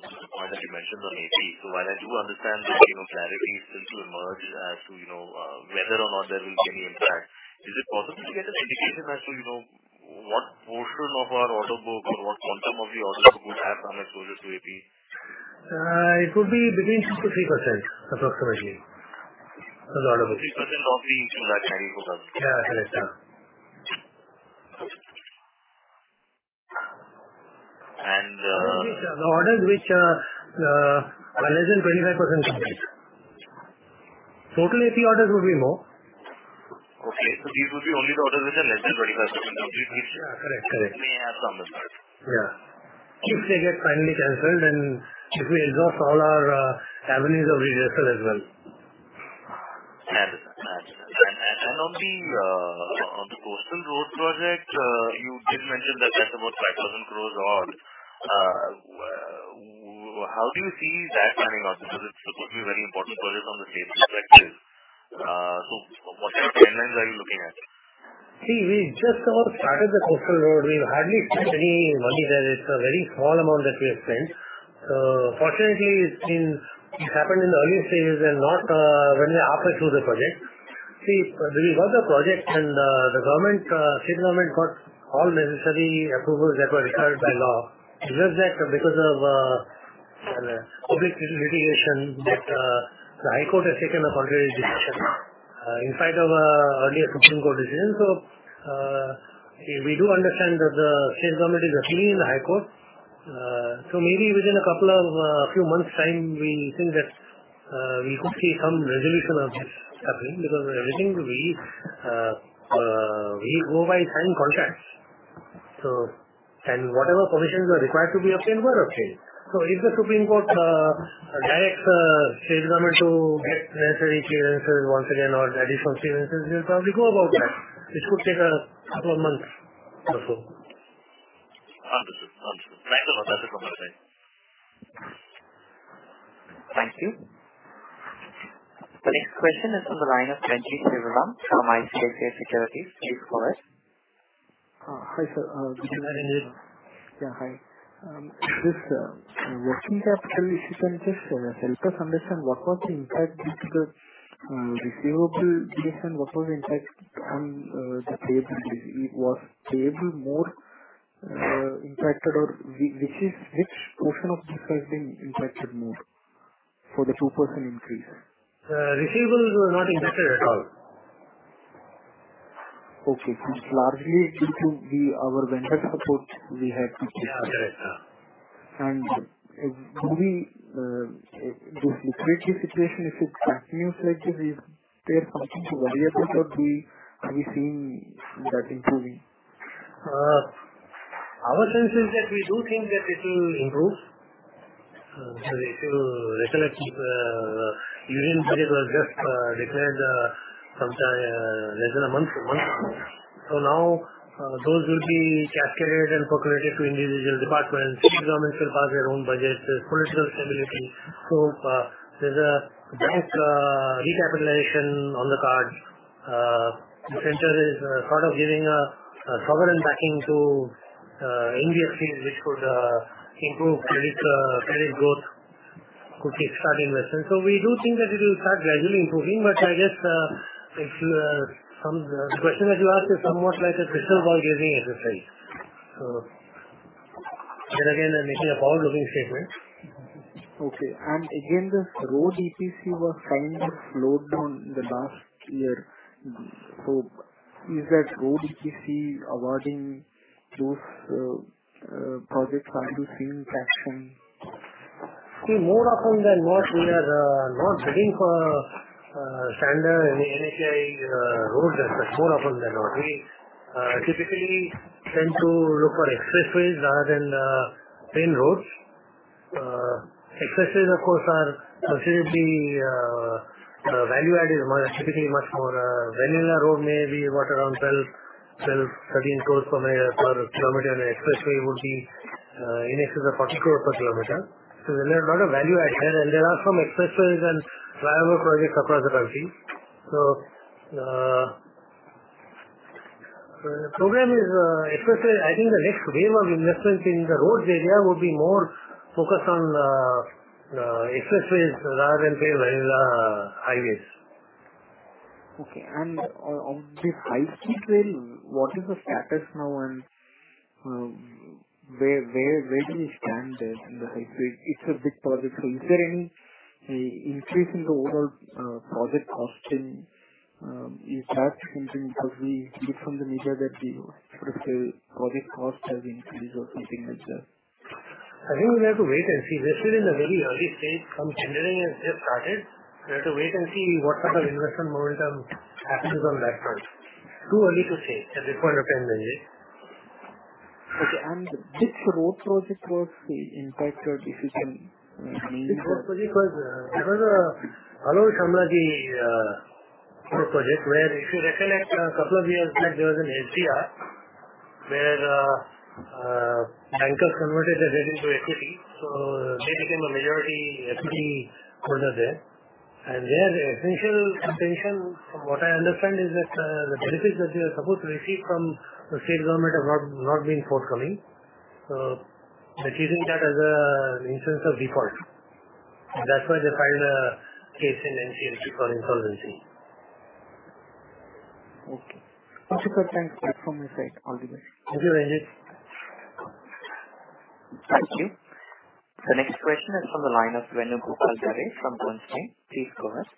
the point that you mentioned on AP. While I do understand that clarity is still to emerge as to whether or not there will be any impact, is it possible to get an indication as to what portion of our order book or what quantum of the order book would have some exposure to AP? It could be between 2%-3%, approximately. As a order book. 3% of the large handling book. Yeah, correct. And- The orders which are less than 25% complete. Total AP orders would be more. Okay. These would be only the orders which are less than 25% complete. Yeah, correct. May have some exposure. Yeah. If they get finally canceled and if we exhaust all our avenues of redressal as well. Understood. On the coastal road project, you did mention that that's about 5,000 crore odd. How do you see that panning out? It's supposedly a very important project on the table. What kind of timelines are you looking at? We just about started the coastal road. We've hardly spent any money there. It's a very small amount that we have spent. Fortunately, it happened in the early stages and not when we are halfway through the project. We got the project and the state government got all necessary approvals that were required by law. It's just that because of public litigation, but the High Court has taken an appropriate decision in spite of an earlier Supreme Court decision. We do understand that the state government is appealing the High Court. Maybe within a couple of few months time, we think that we could see some resolution of this happening because we are editing, we go by signed contracts, and whatever permissions were required to be obtained were obtained. If the Supreme Court directs the state government to get necessary clearances once again or additional clearances, we'll probably go about that. This could take a couple of months or so. Understood. Thanks a lot. That is all from my side. Thank you. The next question is on the line of Renjith Sivaram from ICICI Securities. Please go ahead. Hi, sir. This is Renjith. This working capital issue, can you just help us understand what was the impact due to the receivables creation? What was the impact on the payability? Was payable more impacted, or which portion of this has been impacted more for the 2% increase? The receivables were not impacted at all. Okay. It's largely due to our vendor support we had to. Yeah, correct. Could this liquidity situation, if it continues like this, is there something to worry about, or are we seeing that improving? Our sense is that we do think that it'll improve. If you recollect, the Union budget was just declared less than a month ago. Now those will be cascaded and percolated to individual departments. State governments will pass their own budgets. There's political stability. There's a bank recapitalization on the card. The center is sort of giving a sovereign backing to NBFCs, which could improve credit growth, could kick-start investment. We do think that it'll start gradually improving. I guess the question that you asked is somewhat like a crystal ball gazing exercise. Again, I'm making a forward-looking statement. Okay. Again, this road EPC was kind of slowed down in the last year. Is that road EPC awarding those projects going to see an action? More often than not, we are not bidding for standard NHAI road business. More often than not, we typically tend to look for expressways rather than plain roads. Expressways, of course, are perceived to be value add, is typically much more. A vanilla road may be what, around 12 crore-13 crore per kilometer. An expressway would be in excess of 40 crore per kilometer. There's a lot of value add there, and there are some expressways and flyover projects across the country. I think the next wave of investments in the roads area would be more focused on expressways rather than plain vanilla highways. Okay. On this highway, what is the status now, and where do you stand in the highway? It's a big project. Is there any increase in the overall project costing you start thinking? We read from the media that the project cost has increased or anything like that. I think we'll have to wait and see. We're still in the very early stage. Some engineering has just started. We have to wait and see what sort of investment momentum happens on that front. Too early to say at this point in time, Renjith. Okay, which road project was impacted, if you can name that? It was a L&T Samakhiali road project where, if you recollect, a couple of years back there was an CDR where bankers converted their debt into equity. They became a majority equity holder there. There, the essential contention from what I understand is that the benefits that they were supposed to receive from the state government have not been forthcoming. They're treating that as an instance of default, and that's why they filed a case in NCLT for insolvency. Okay. No further questions from my side. All the best. Thank you, Renjith. Thank you. The next question is from the line of Venugopal Garre from Bernstein. Please go ahead.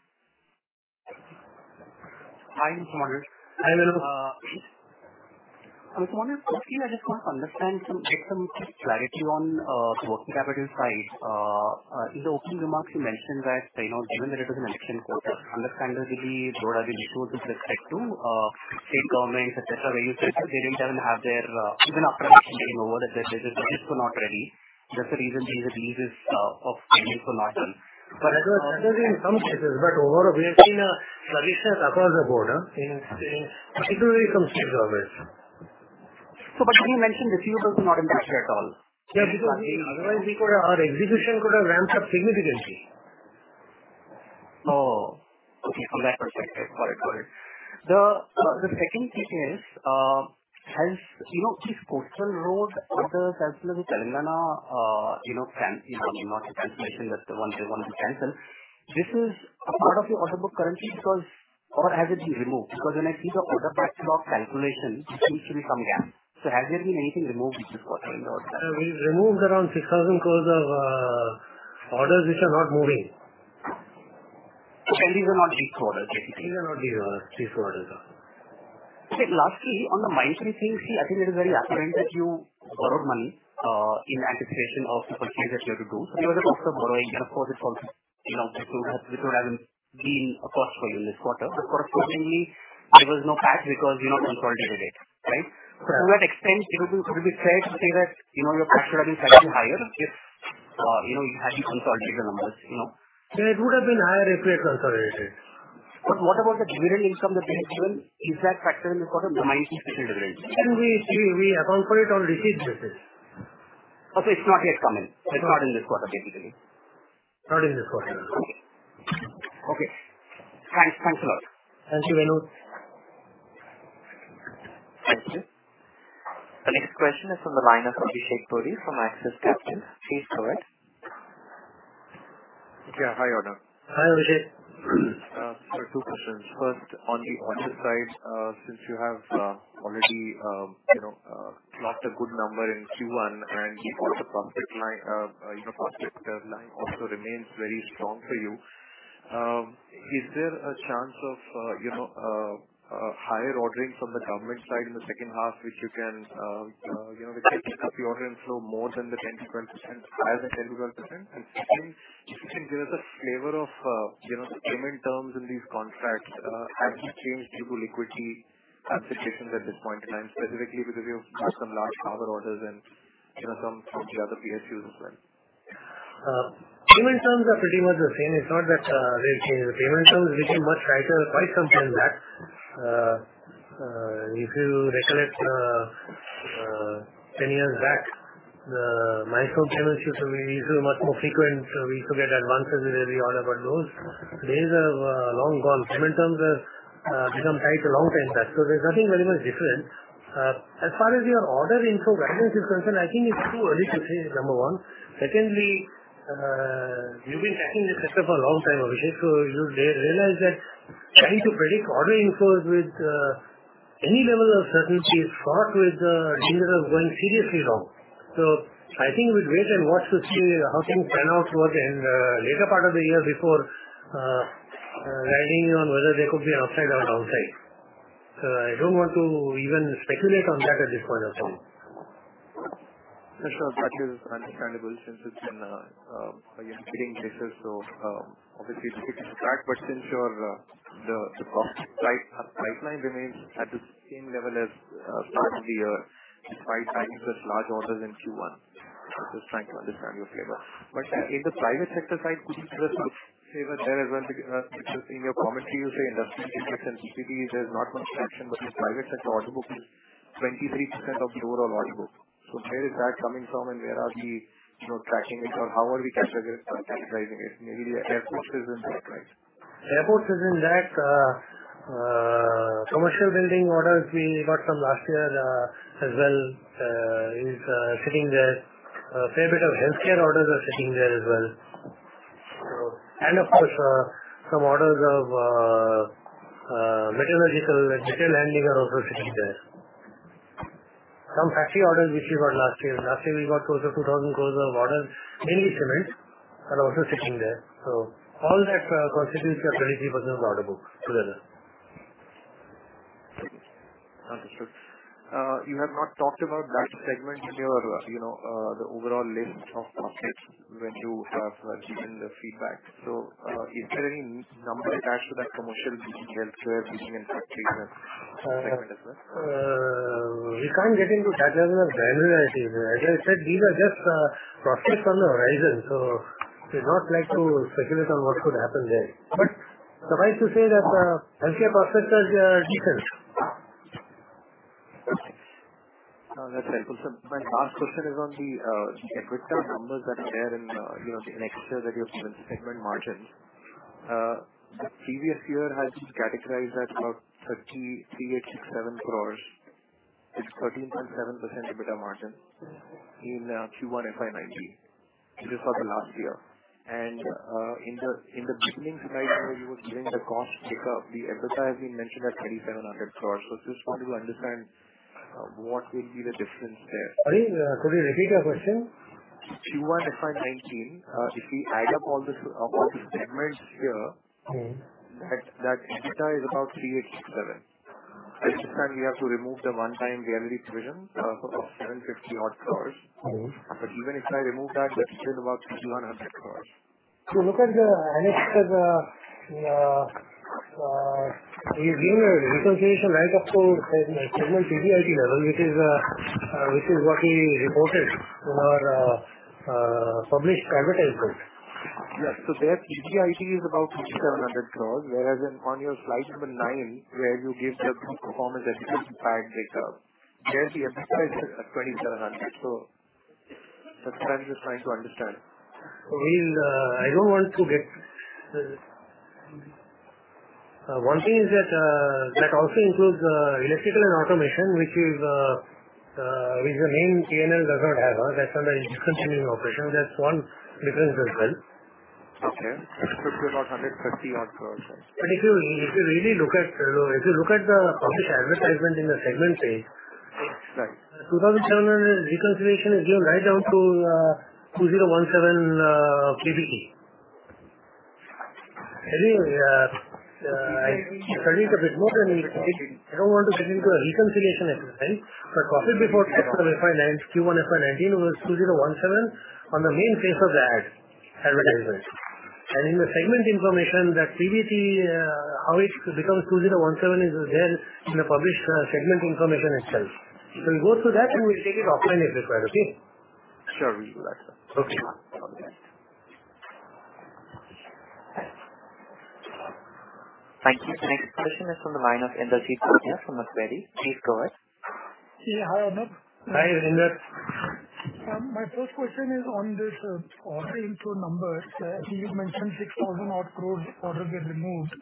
Hi, good morning. Hi, Venugopal. I just want to understand, get some clarity on the working capital side. In the opening remarks, you mentioned that given that it is an election year, understandably, broader issues with respect to state governments, etc., where you said that they didn't even have even after election being over, their budgets were not ready. That's the reason things at ease are still not done. That has been in some cases, but overall, we have seen a sluggishness across the board, particularly from state governments. You mentioned receivables were not impacted at all. Because otherwise our execution could have ramped up significantly. Okay. From that perspective. Got it. The second thing is, this coastal road, or the Telangana cancellation, is this a part of your order book currently or has it been removed? Because when I see the order backlog calculation, there seems to be some gap. Has there been anything removed this quarter in the order book? We removed around 6,000 crore of orders which are not moving. These are not big orders, basically. These are not big orders. Lastly, on the Mindtree thing, I think it is very apparent that you borrowed money in anticipation of the purchase that you had to do. There was a cost of borrowing and of course this would have been a cost for you this quarter. Correspondingly, there was no tax because you not consolidated it, right? Correct. To that extent, would it be fair to say that your tax would have been slightly higher if you hadn't consolidated the numbers? It would have been higher if we had consolidated. What about the dividend income that you have given? Is that factored in this quarter, the Mindtree dividend? We account for it on receipt basis. Okay. It's not yet come in. It's not in this quarter, basically. Not in this quarter, no. Okay. Thanks a lot. Thank you, Venu. Thank you. The next question is from the line of Abhishek Puri from Axis Capital. Please go ahead. Yeah. Hi, Arnob. Hi, Abhishek. Sir, two questions. First, on the order side, since you have already clocked a good number in Q1 and of course the prospect line also remains very strong for you, is there a chance of higher ordering from the government side in the second half, which can pick up the order inflow more than the 10%-12%, higher than 10%-12%? Second, do you think there is a flavor of payment terms in these contracts have changed due to liquidity applications at this point in time, specifically because you've got some large power orders and some few other PSUs as well? Payment terms are pretty much the same. It's not that they changed. Payment terms became much tighter quite some time back. If you recollect 10 years back, the milestone payments used to be much more frequent. We used to get advances with every order we had those. Those days are long gone. Payment terms have become tighter a long time back, there's nothing very much different. As far as your order inflow guidance is concerned, I think it's too early to say, number one. Secondly, you've been tracking this sector for a long time, Abhishek, you realize that trying to predict order inflows with any level of certainty is fraught with the danger of going seriously wrong. I think we'd wait and watch to see how things pan out towards in the later part of the year before riding on whether they could be upside or downside. I don't want to even speculate on that at this point of time. Sure. That is understandable since it's been a young bidding basis, so obviously it's good to track. Since the prospect pipeline remains at the same level as start of the year, despite signing such large orders in Q1, I'm just trying to understand your flavor. In the private sector side, could you share some flavor there as well? Because in your commentary, you say industrial capex and CPT, there's not much traction. Your private sector order book is 23% of the overall order book. Where is that coming from and where are we tracking it? How are we categorizing it? Maybe the airports is in that, right? Airports is in that. Commercial building orders we got from last year as well is sitting there. A fair bit of healthcare orders are sitting there as well. Of course, some orders of metallurgical and material handling are also sitting there. Some factory orders which we got last year, close to 2,000 crore of orders, mainly cement, are also sitting there. All that constitutes your 23% of order book together. Understood. You have not talked about that segment in the overall list of prospects when you have given the feedback. Is there any number attached to that commercial, digital, healthcare, teaching and factory segment as well? We can't get into that level of granularity. As I said, these are just prospects on the horizon, so we would not like to speculate on what could happen there. Suffice to say that healthcare prospects are decent. That's helpful, sir. My last question is on the EBITDA numbers that are there in the annexure that you have given, segment margins. The previous year has been categorized at about 3,867 crore. It is 13.7% EBITDA margin in Q1 FY 2019. This is for the last year. In the beginning slide where you were giving the cost pickup, the EBITDA has been mentioned at 3,700 crore. I just want to understand what will be the difference there. Sorry, could you repeat the question? Q1 FY 2019, if we add up all the segments here. That EBITDA is about 3,867. I understand we have to remove the one-time Real Estate division of about 750 odd crore. Even if I remove that's still about 3,100 crore. Look at the annexure. We've given a reconciliation line of total segment PBIT level, which is what we reported in our published private template. Yes. Their PBIT is about 6,700 crore, whereas on your slide number nine, where you gave the performance-adjusted PAT data, there the EBITDA is at INR 2,700. That's what I'm just trying to understand. One thing is that also includes Electrical and Automation, which the main P&L does not have. That's under a discontinuing operation. That's one difference as well. Okay. It's about INR 130 odd crore. If you look at the published advertisement in the segment page. Right 2017 reconciliation is given right down to 2,017 PBT. Anyway, I don't want to get into a reconciliation as of now. Profit before tax for Q1 FY 2019 was 2,017 on the main face of the advertisement. In the segment information, that PBT, how it becomes 2,017 is there in the published segment information itself. We'll go through that, and we'll take it offline if required. Okay? Sure. We will do that, sir. Okay. No problem. Thank you. The next question is from the line of Inderjeet Bhatia from Macquarie. Please go ahead. Hi, Arnob. Hi, Inderjeet. My first question is on this order inflow numbers. I think you'd mentioned 6,000 odd crore order get removed.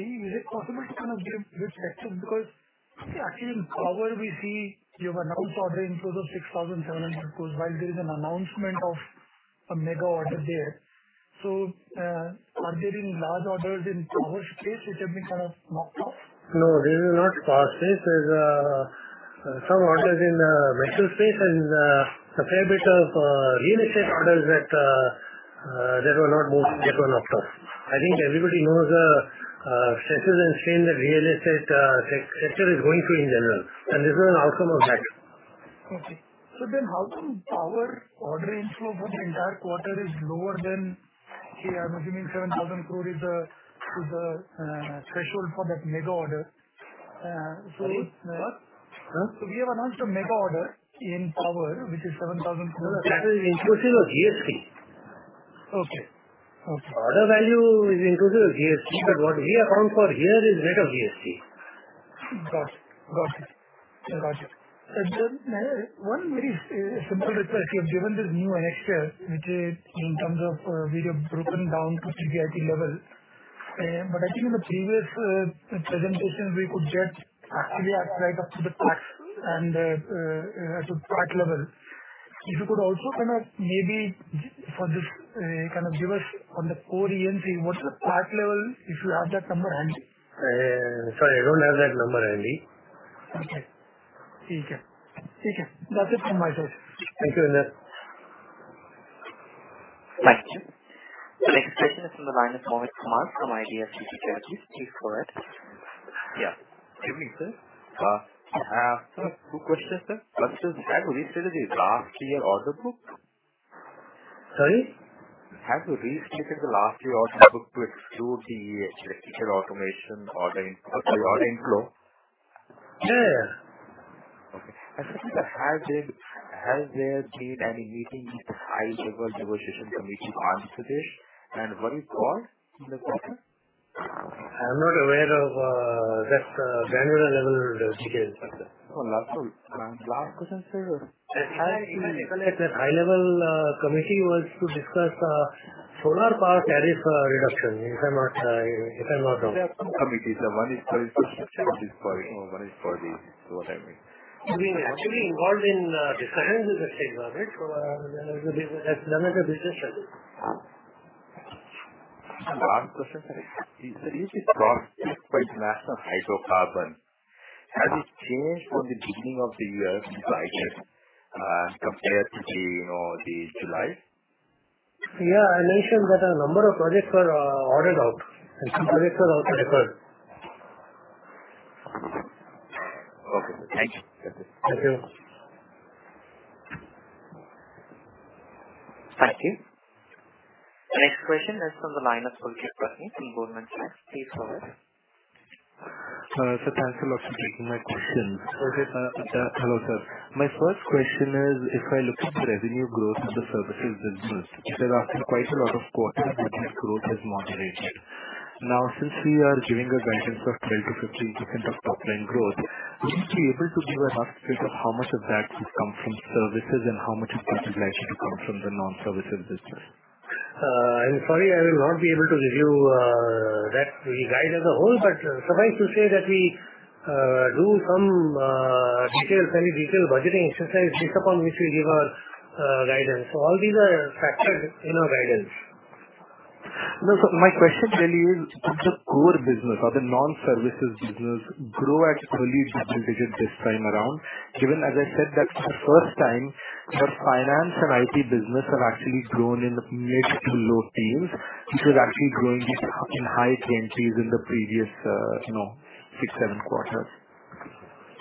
Is it possible to kind of give a breakdown? Actually, in power, we see you have an out order inflows of 6,700 crore while there is an announcement of a mega order there. Are there any large orders in power space which have been kind of knocked off? No, these are not power space. There's some orders in the metro space and a fair bit of real estate orders that were not moved, that were knocked off. I think everybody knows the stresses and strain that real estate sector is going through in general. This is an outcome of that. Okay. How come power order inflow for the entire quarter is lower than, I'm assuming INR 7,000 crore is the threshold for that mega order? Sorry, what? We have announced a mega order in power, which is 7,000 crore. That is inclusive of GST. Okay. Order value is inclusive of GST, but what we account for here is net of GST. Got it. One very simple request. You've given this new annexure in terms of we have broken down to PBT level. I think in the previous presentation, we could get actually right up to the part level. If you could also kind of maybe for this, give us on the core E&C, what's the part level, if you have that number handy. Sorry, I don't have that number handy. Okay. That's it from my side. Thank you, Inderjeet. Thank you. The next question is from the line of Mohit Kumar from IDFC Securities. Please go ahead. Yeah. Good evening, sir. I have two questions, sir. First is, have you restated the last year order book? Sorry? Have you restated the last year order book to exclude the Electrical Automation order inflow? Yeah. Okay. Second, have there been any meetings with the high-level negotiation committee on this? What is the call in the quarter? I'm not aware of that granular level of detail, sir. Oh, last question, sir. I think that high-level committee was to discuss solar power tariff reduction, if I'm not wrong. There are some committees. One is for infrastructure, one is for this, is what I mean. We're actually involved in discussions with the same, Mohit, as none of the business has it. Last question, sir. Is the recent loss despite the national hydrocarbon, has it changed from the beginning of the year since, I guess, compared to July? Yeah, I mentioned that a number of projects were ordered out and some projects were also recovered. Okay, sir. Thank you. That's it. Thank you. Thank you. The next question is from the line of Pulkit Patni from Goldman Sachs. Please go ahead. Sir, thanks a lot for taking my questions. Okay. Hello, sir. My first question is, if I look at the revenue growth in the services business, there are still quite a lot of quarters where this growth has moderated. Since we are giving a guidance of 12%-15% of top-line growth, would you be able to give a rough split of how much of that will come from services and how much is likely to come from the non-services business? I'm sorry, I will not be able to give you that. We guide as a whole, but suffice to say that we do some very detailed budgeting exercise based upon which we give our guidance. All these are factored in our guidance. No, sir. My question really is, did the core business or the non-services business grow at early double digits this time around? Given, as I said, that for the first time, your finance and IT business have actually grown in the mid to low teens, which was actually growing in high teen tiers in the previous six, seven quarters.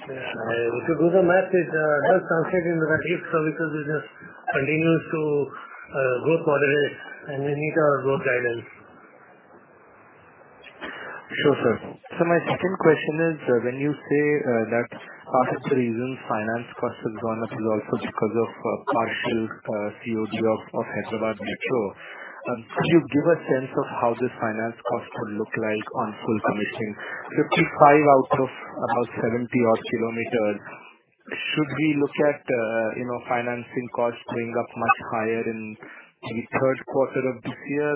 If you do the math, it does translate in the rest of services business continues to grow quarterly. We meet our growth guidance. Sure, sir. My second question is, when you say that part of the reason finance cost has gone up is also because of partial COD of Hyderabad Metro. Could you give a sense of how this finance cost would look like on full commissioning? 55 out of about 70 odd km. Should we look at financing costs going up much higher in the third quarter of this year?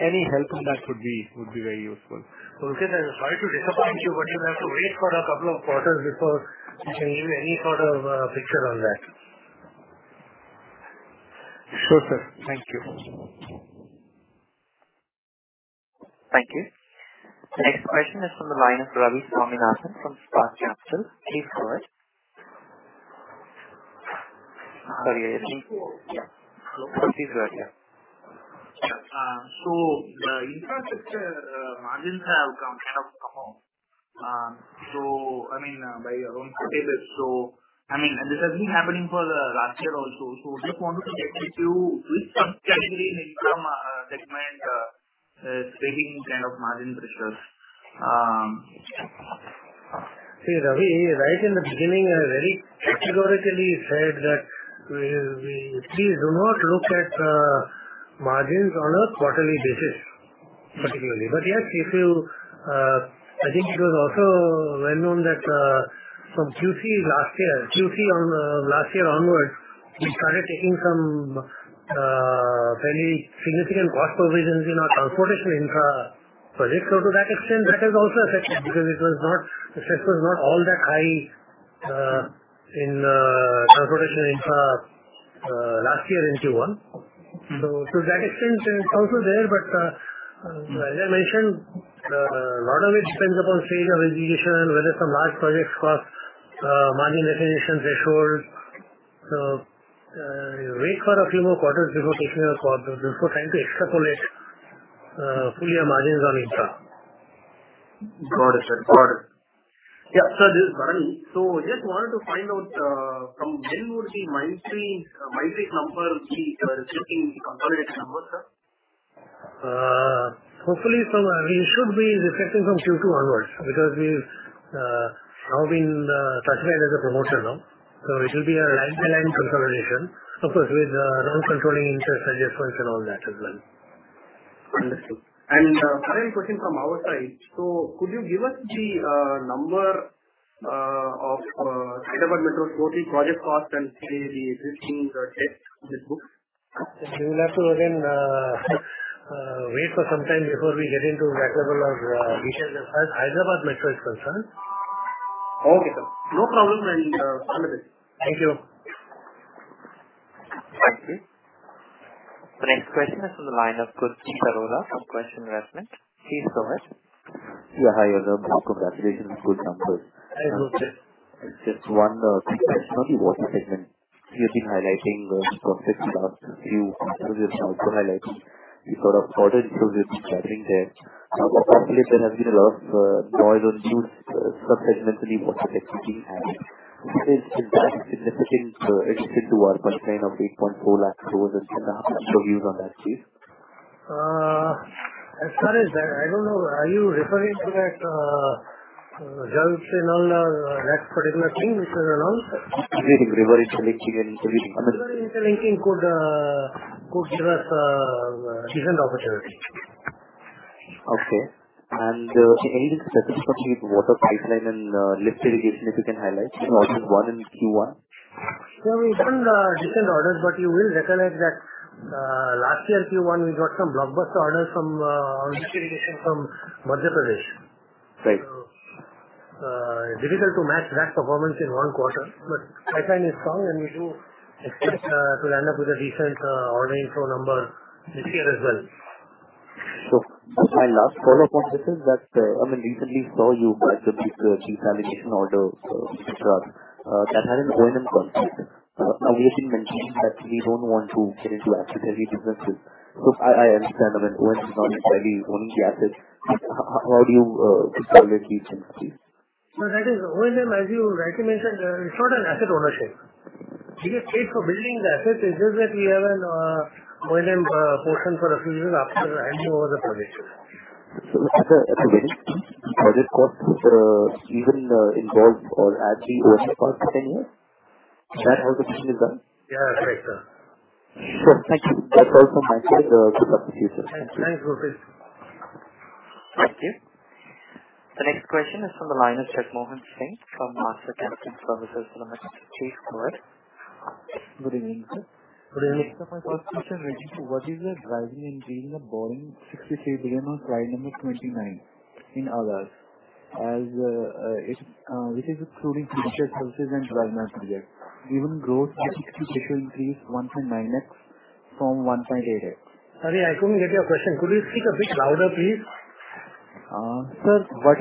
Any help on that would be very useful. Pulkit, I am sorry to disappoint you, but you'll have to wait for a couple of quarters before we can give you any sort of picture on that. Sure, sir. Thank you. Thank you. The next question is from the line of Ravi Swaminathan from Spark Capital. Please go ahead. Yeah. Please go ahead. The infrastructure margins have kind of come up. By your own impetus. This has been happening for the last year also. Just wanted to check with you, which subcategory in infra segment is creating margin pressures? Ravi, right in the beginning, I very categorically said that please do not look at margins on a quarterly basis, particularly. Yes, I think it was also well-known that from Q3 last year onwards, we started taking some fairly significant cost provisions in our transportation infra projects. To that extent, that has also affected because the stress was not all that high in transportation infra last year in Q1. To that extent, it's also there. As I mentioned, a lot of it depends upon phase of execution and whether some large projects cross margin recognition thresholds. Wait for a few more quarters before taking a call, because trying to extrapolate full year margins on infra. Got it, sir. Got it. Yeah. Sir, this is Bharani. Just wanted to find out, from when would the Mindtree numbers be reflecting in the consolidated numbers, sir? Hopefully, it should be reflecting from Q2 onwards, because we've now been certified as a promoter now, so it will be a land to land consolidation. Of course, with non-controlling interest adjustments and all that as well. Understood. Bharani questioning from our side. Could you give us the number of Hyderabad Metro's 14 project costs and the existing debt in the books? We will have to again wait for some time before we get into that level of detail, as far as Hyderabad Metro is concerned. Okay, sir. No problem. I understand. Thank you. Thank you. The next question is from the line of Gurpreet Arora from Quest Investment. Please go ahead. Yeah. Hi, Arnob. Congratulations. Good numbers. Hi, Gurpreet. Just one thing. Especially water segment, you've been highlighting those prospects last few quarters. You've also highlighted the sort of orders which you've been getting there. Lately, there has been a lot of noise on some segmentally water tech GPs. Is that a significant risk to our pipeline of 8.4 lakh crore and some views on that, please? As far as that, I don't know. Are you referring to that Jal Jeevan mission, that particular thing which we announced? River interlinking. River interlinking could give us a decent opportunity. Okay. Anything specific with water pipeline and lift irrigation that you can highlight in order one and Q1? No, we've done decent orders. You will recollect that last year, Q1, we got some blockbuster orders from lift irrigation from Madhya Pradesh. Right. Difficult to match that performance in one quarter. Pipeline is strong, and we do expect to land up with a decent order inflow number this year as well. Sure. Last follow-up on this is that, I mean, recently saw you got the big desalination order from Gujarat. That had an O&M component. We have been mentioning that we don't want to get into asset heavy businesses. I understand that O&M is not entirely owning the asset. How do you just evaluate each one, please? That is O&M, as you rightly mentioned, it's not an asset ownership. We get paid for building the asset. It's just that we have an O&M portion for a few years after the hand over of the project. As a project cost, we will involve or add the O&M cost within it. Is that how the deal is done? Yeah, correct, sir. Sure. Thank you. That's all from my side. Good luck with you, sir. Thank you. Thanks, Gurpreet. Thank you. The next question is from the line of Jagmohan Singh from Master Capital Services Limited. Please go ahead. Good evening, sir. Good evening. My first question, what is the driving increase in the borrowing 63 billion on slide number 29 in others? Which is excluding financial services and development projects. Given growth, should it increase 1.9x from 1.8x? Sorry, I couldn't get your question. Could you speak a bit louder, please? Sir, what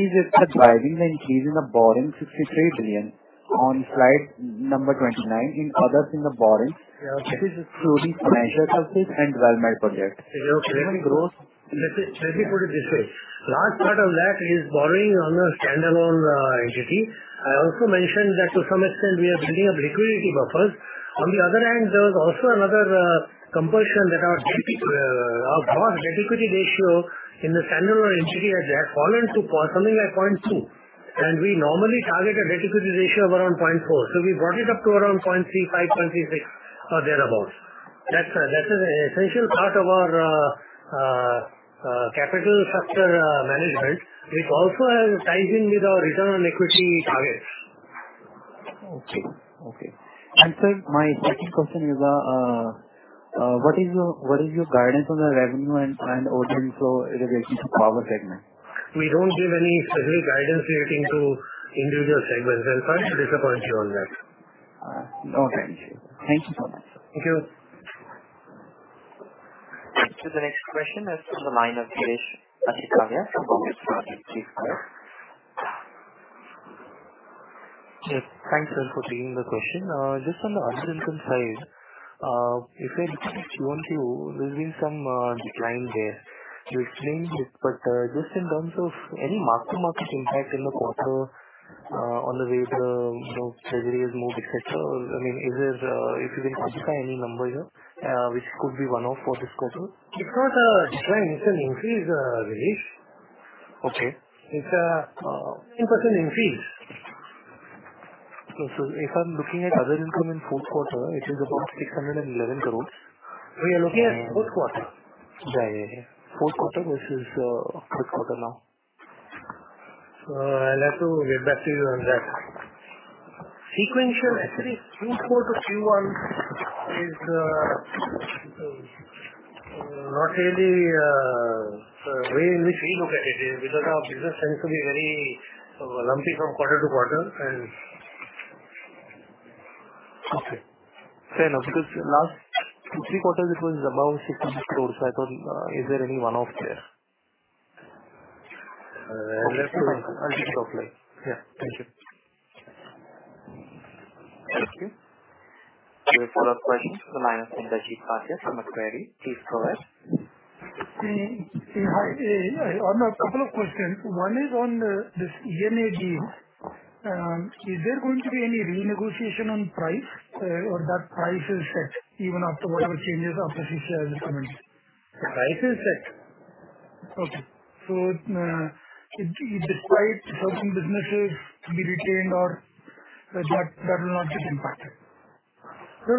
is the driving the increase in the borrowing 63 billion on slide number 29 in others in the borrowing- Yeah. Which is excluding financial services and development projects. Let me put it this way. Large part of that is borrowing on a standalone entity. I also mentioned that to some extent, we are building up liquidity buffers. There was also another compulsion that our debt equity ratio in the standalone entity had fallen to something like 0.2, and we normally target a debt equity ratio of around 0.4. We brought it up to around 0.35, 0.36 or thereabout. That's an essential part of our capital structure management. It also ties in with our return on equity targets. Okay. Sir, my second question is, what is your guidance on the revenue and OCF in relation to power segment? We don't give any specific guidance relating to individual segments. I'm sorry to disappoint you on that. Okay. Thank you so much. Thank you. To the next question is from the line of Girish Athitkar from Kotak Securities. Yes. Thanks for taking the question. Just on the other income side, you said there's been some decline there. You explained it, just in terms of any mark-to-market impact in the quarter on the way the treasuries moved, et cetera, if you can quantify any number here which could be one-off for this quarter. It's not a decline, it's an increase, Girish. Okay. It's a 10% increase. If I'm looking at other income in fourth quarter, it is about 611 crore. We are looking at fourth quarter. Yeah. Fourth quarter versus third quarter now. I'll have to get back to you on that. Sequentially, Q4 to Q1 is not really the way we look at it. Our business tends to be very lumpy from quarter to quarter. Okay. Fair enough, because last three quarters it was above INR 600 crore. I thought, is there any one-off there? I'll get back to you. Okay. Thank you. Thank you. Your third question from the line of Inderjeet Bhatia from Macquarie. Please go ahead. Hi. On a couple of questions. One is on this E&A deal. Is there going to be any renegotiation on price? That price is set even after whatever changes of the future divestment? Price is set. Okay. Despite certain businesses to be retained or that will not get impacted. No.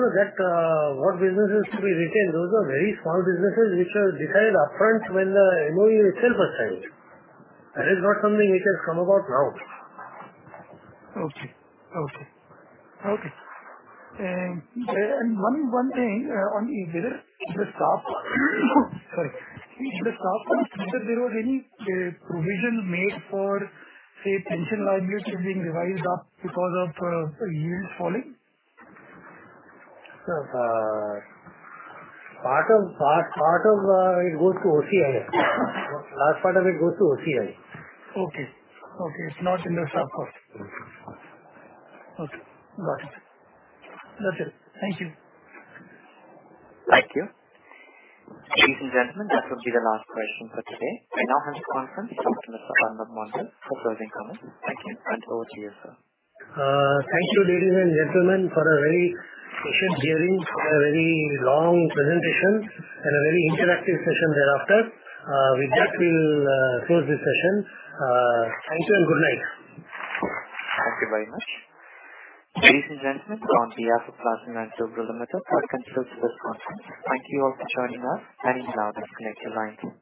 What businesses to be retained, those are very small businesses which are decided upfront when the MOU itself was signed. That is not something which has come about now. Okay. One thing on the staff cost, sorry, whether there was any provision made for, say, pension liability being revised up because of yields falling? Part of it goes to OCI. Okay. It's not in the soft cost. Okay, got it. That's it. Thank you. Thank you. Ladies and gentlemen, that will be the last question for today. I now hand the conference over to Mr. Arnob Mondal for closing comments. Thank you. Hand over to you, sir. Thank you, ladies and gentlemen, for a very patient hearing, for a very long presentation, and a very interactive session thereafter. With that, we'll close this session. Thank you and good night. Thank you very much. Ladies and gentlemen, on behalf of Larsen & Toubro Limited, I conclude this conference. Thank you all for joining us. You may now disconnect your lines.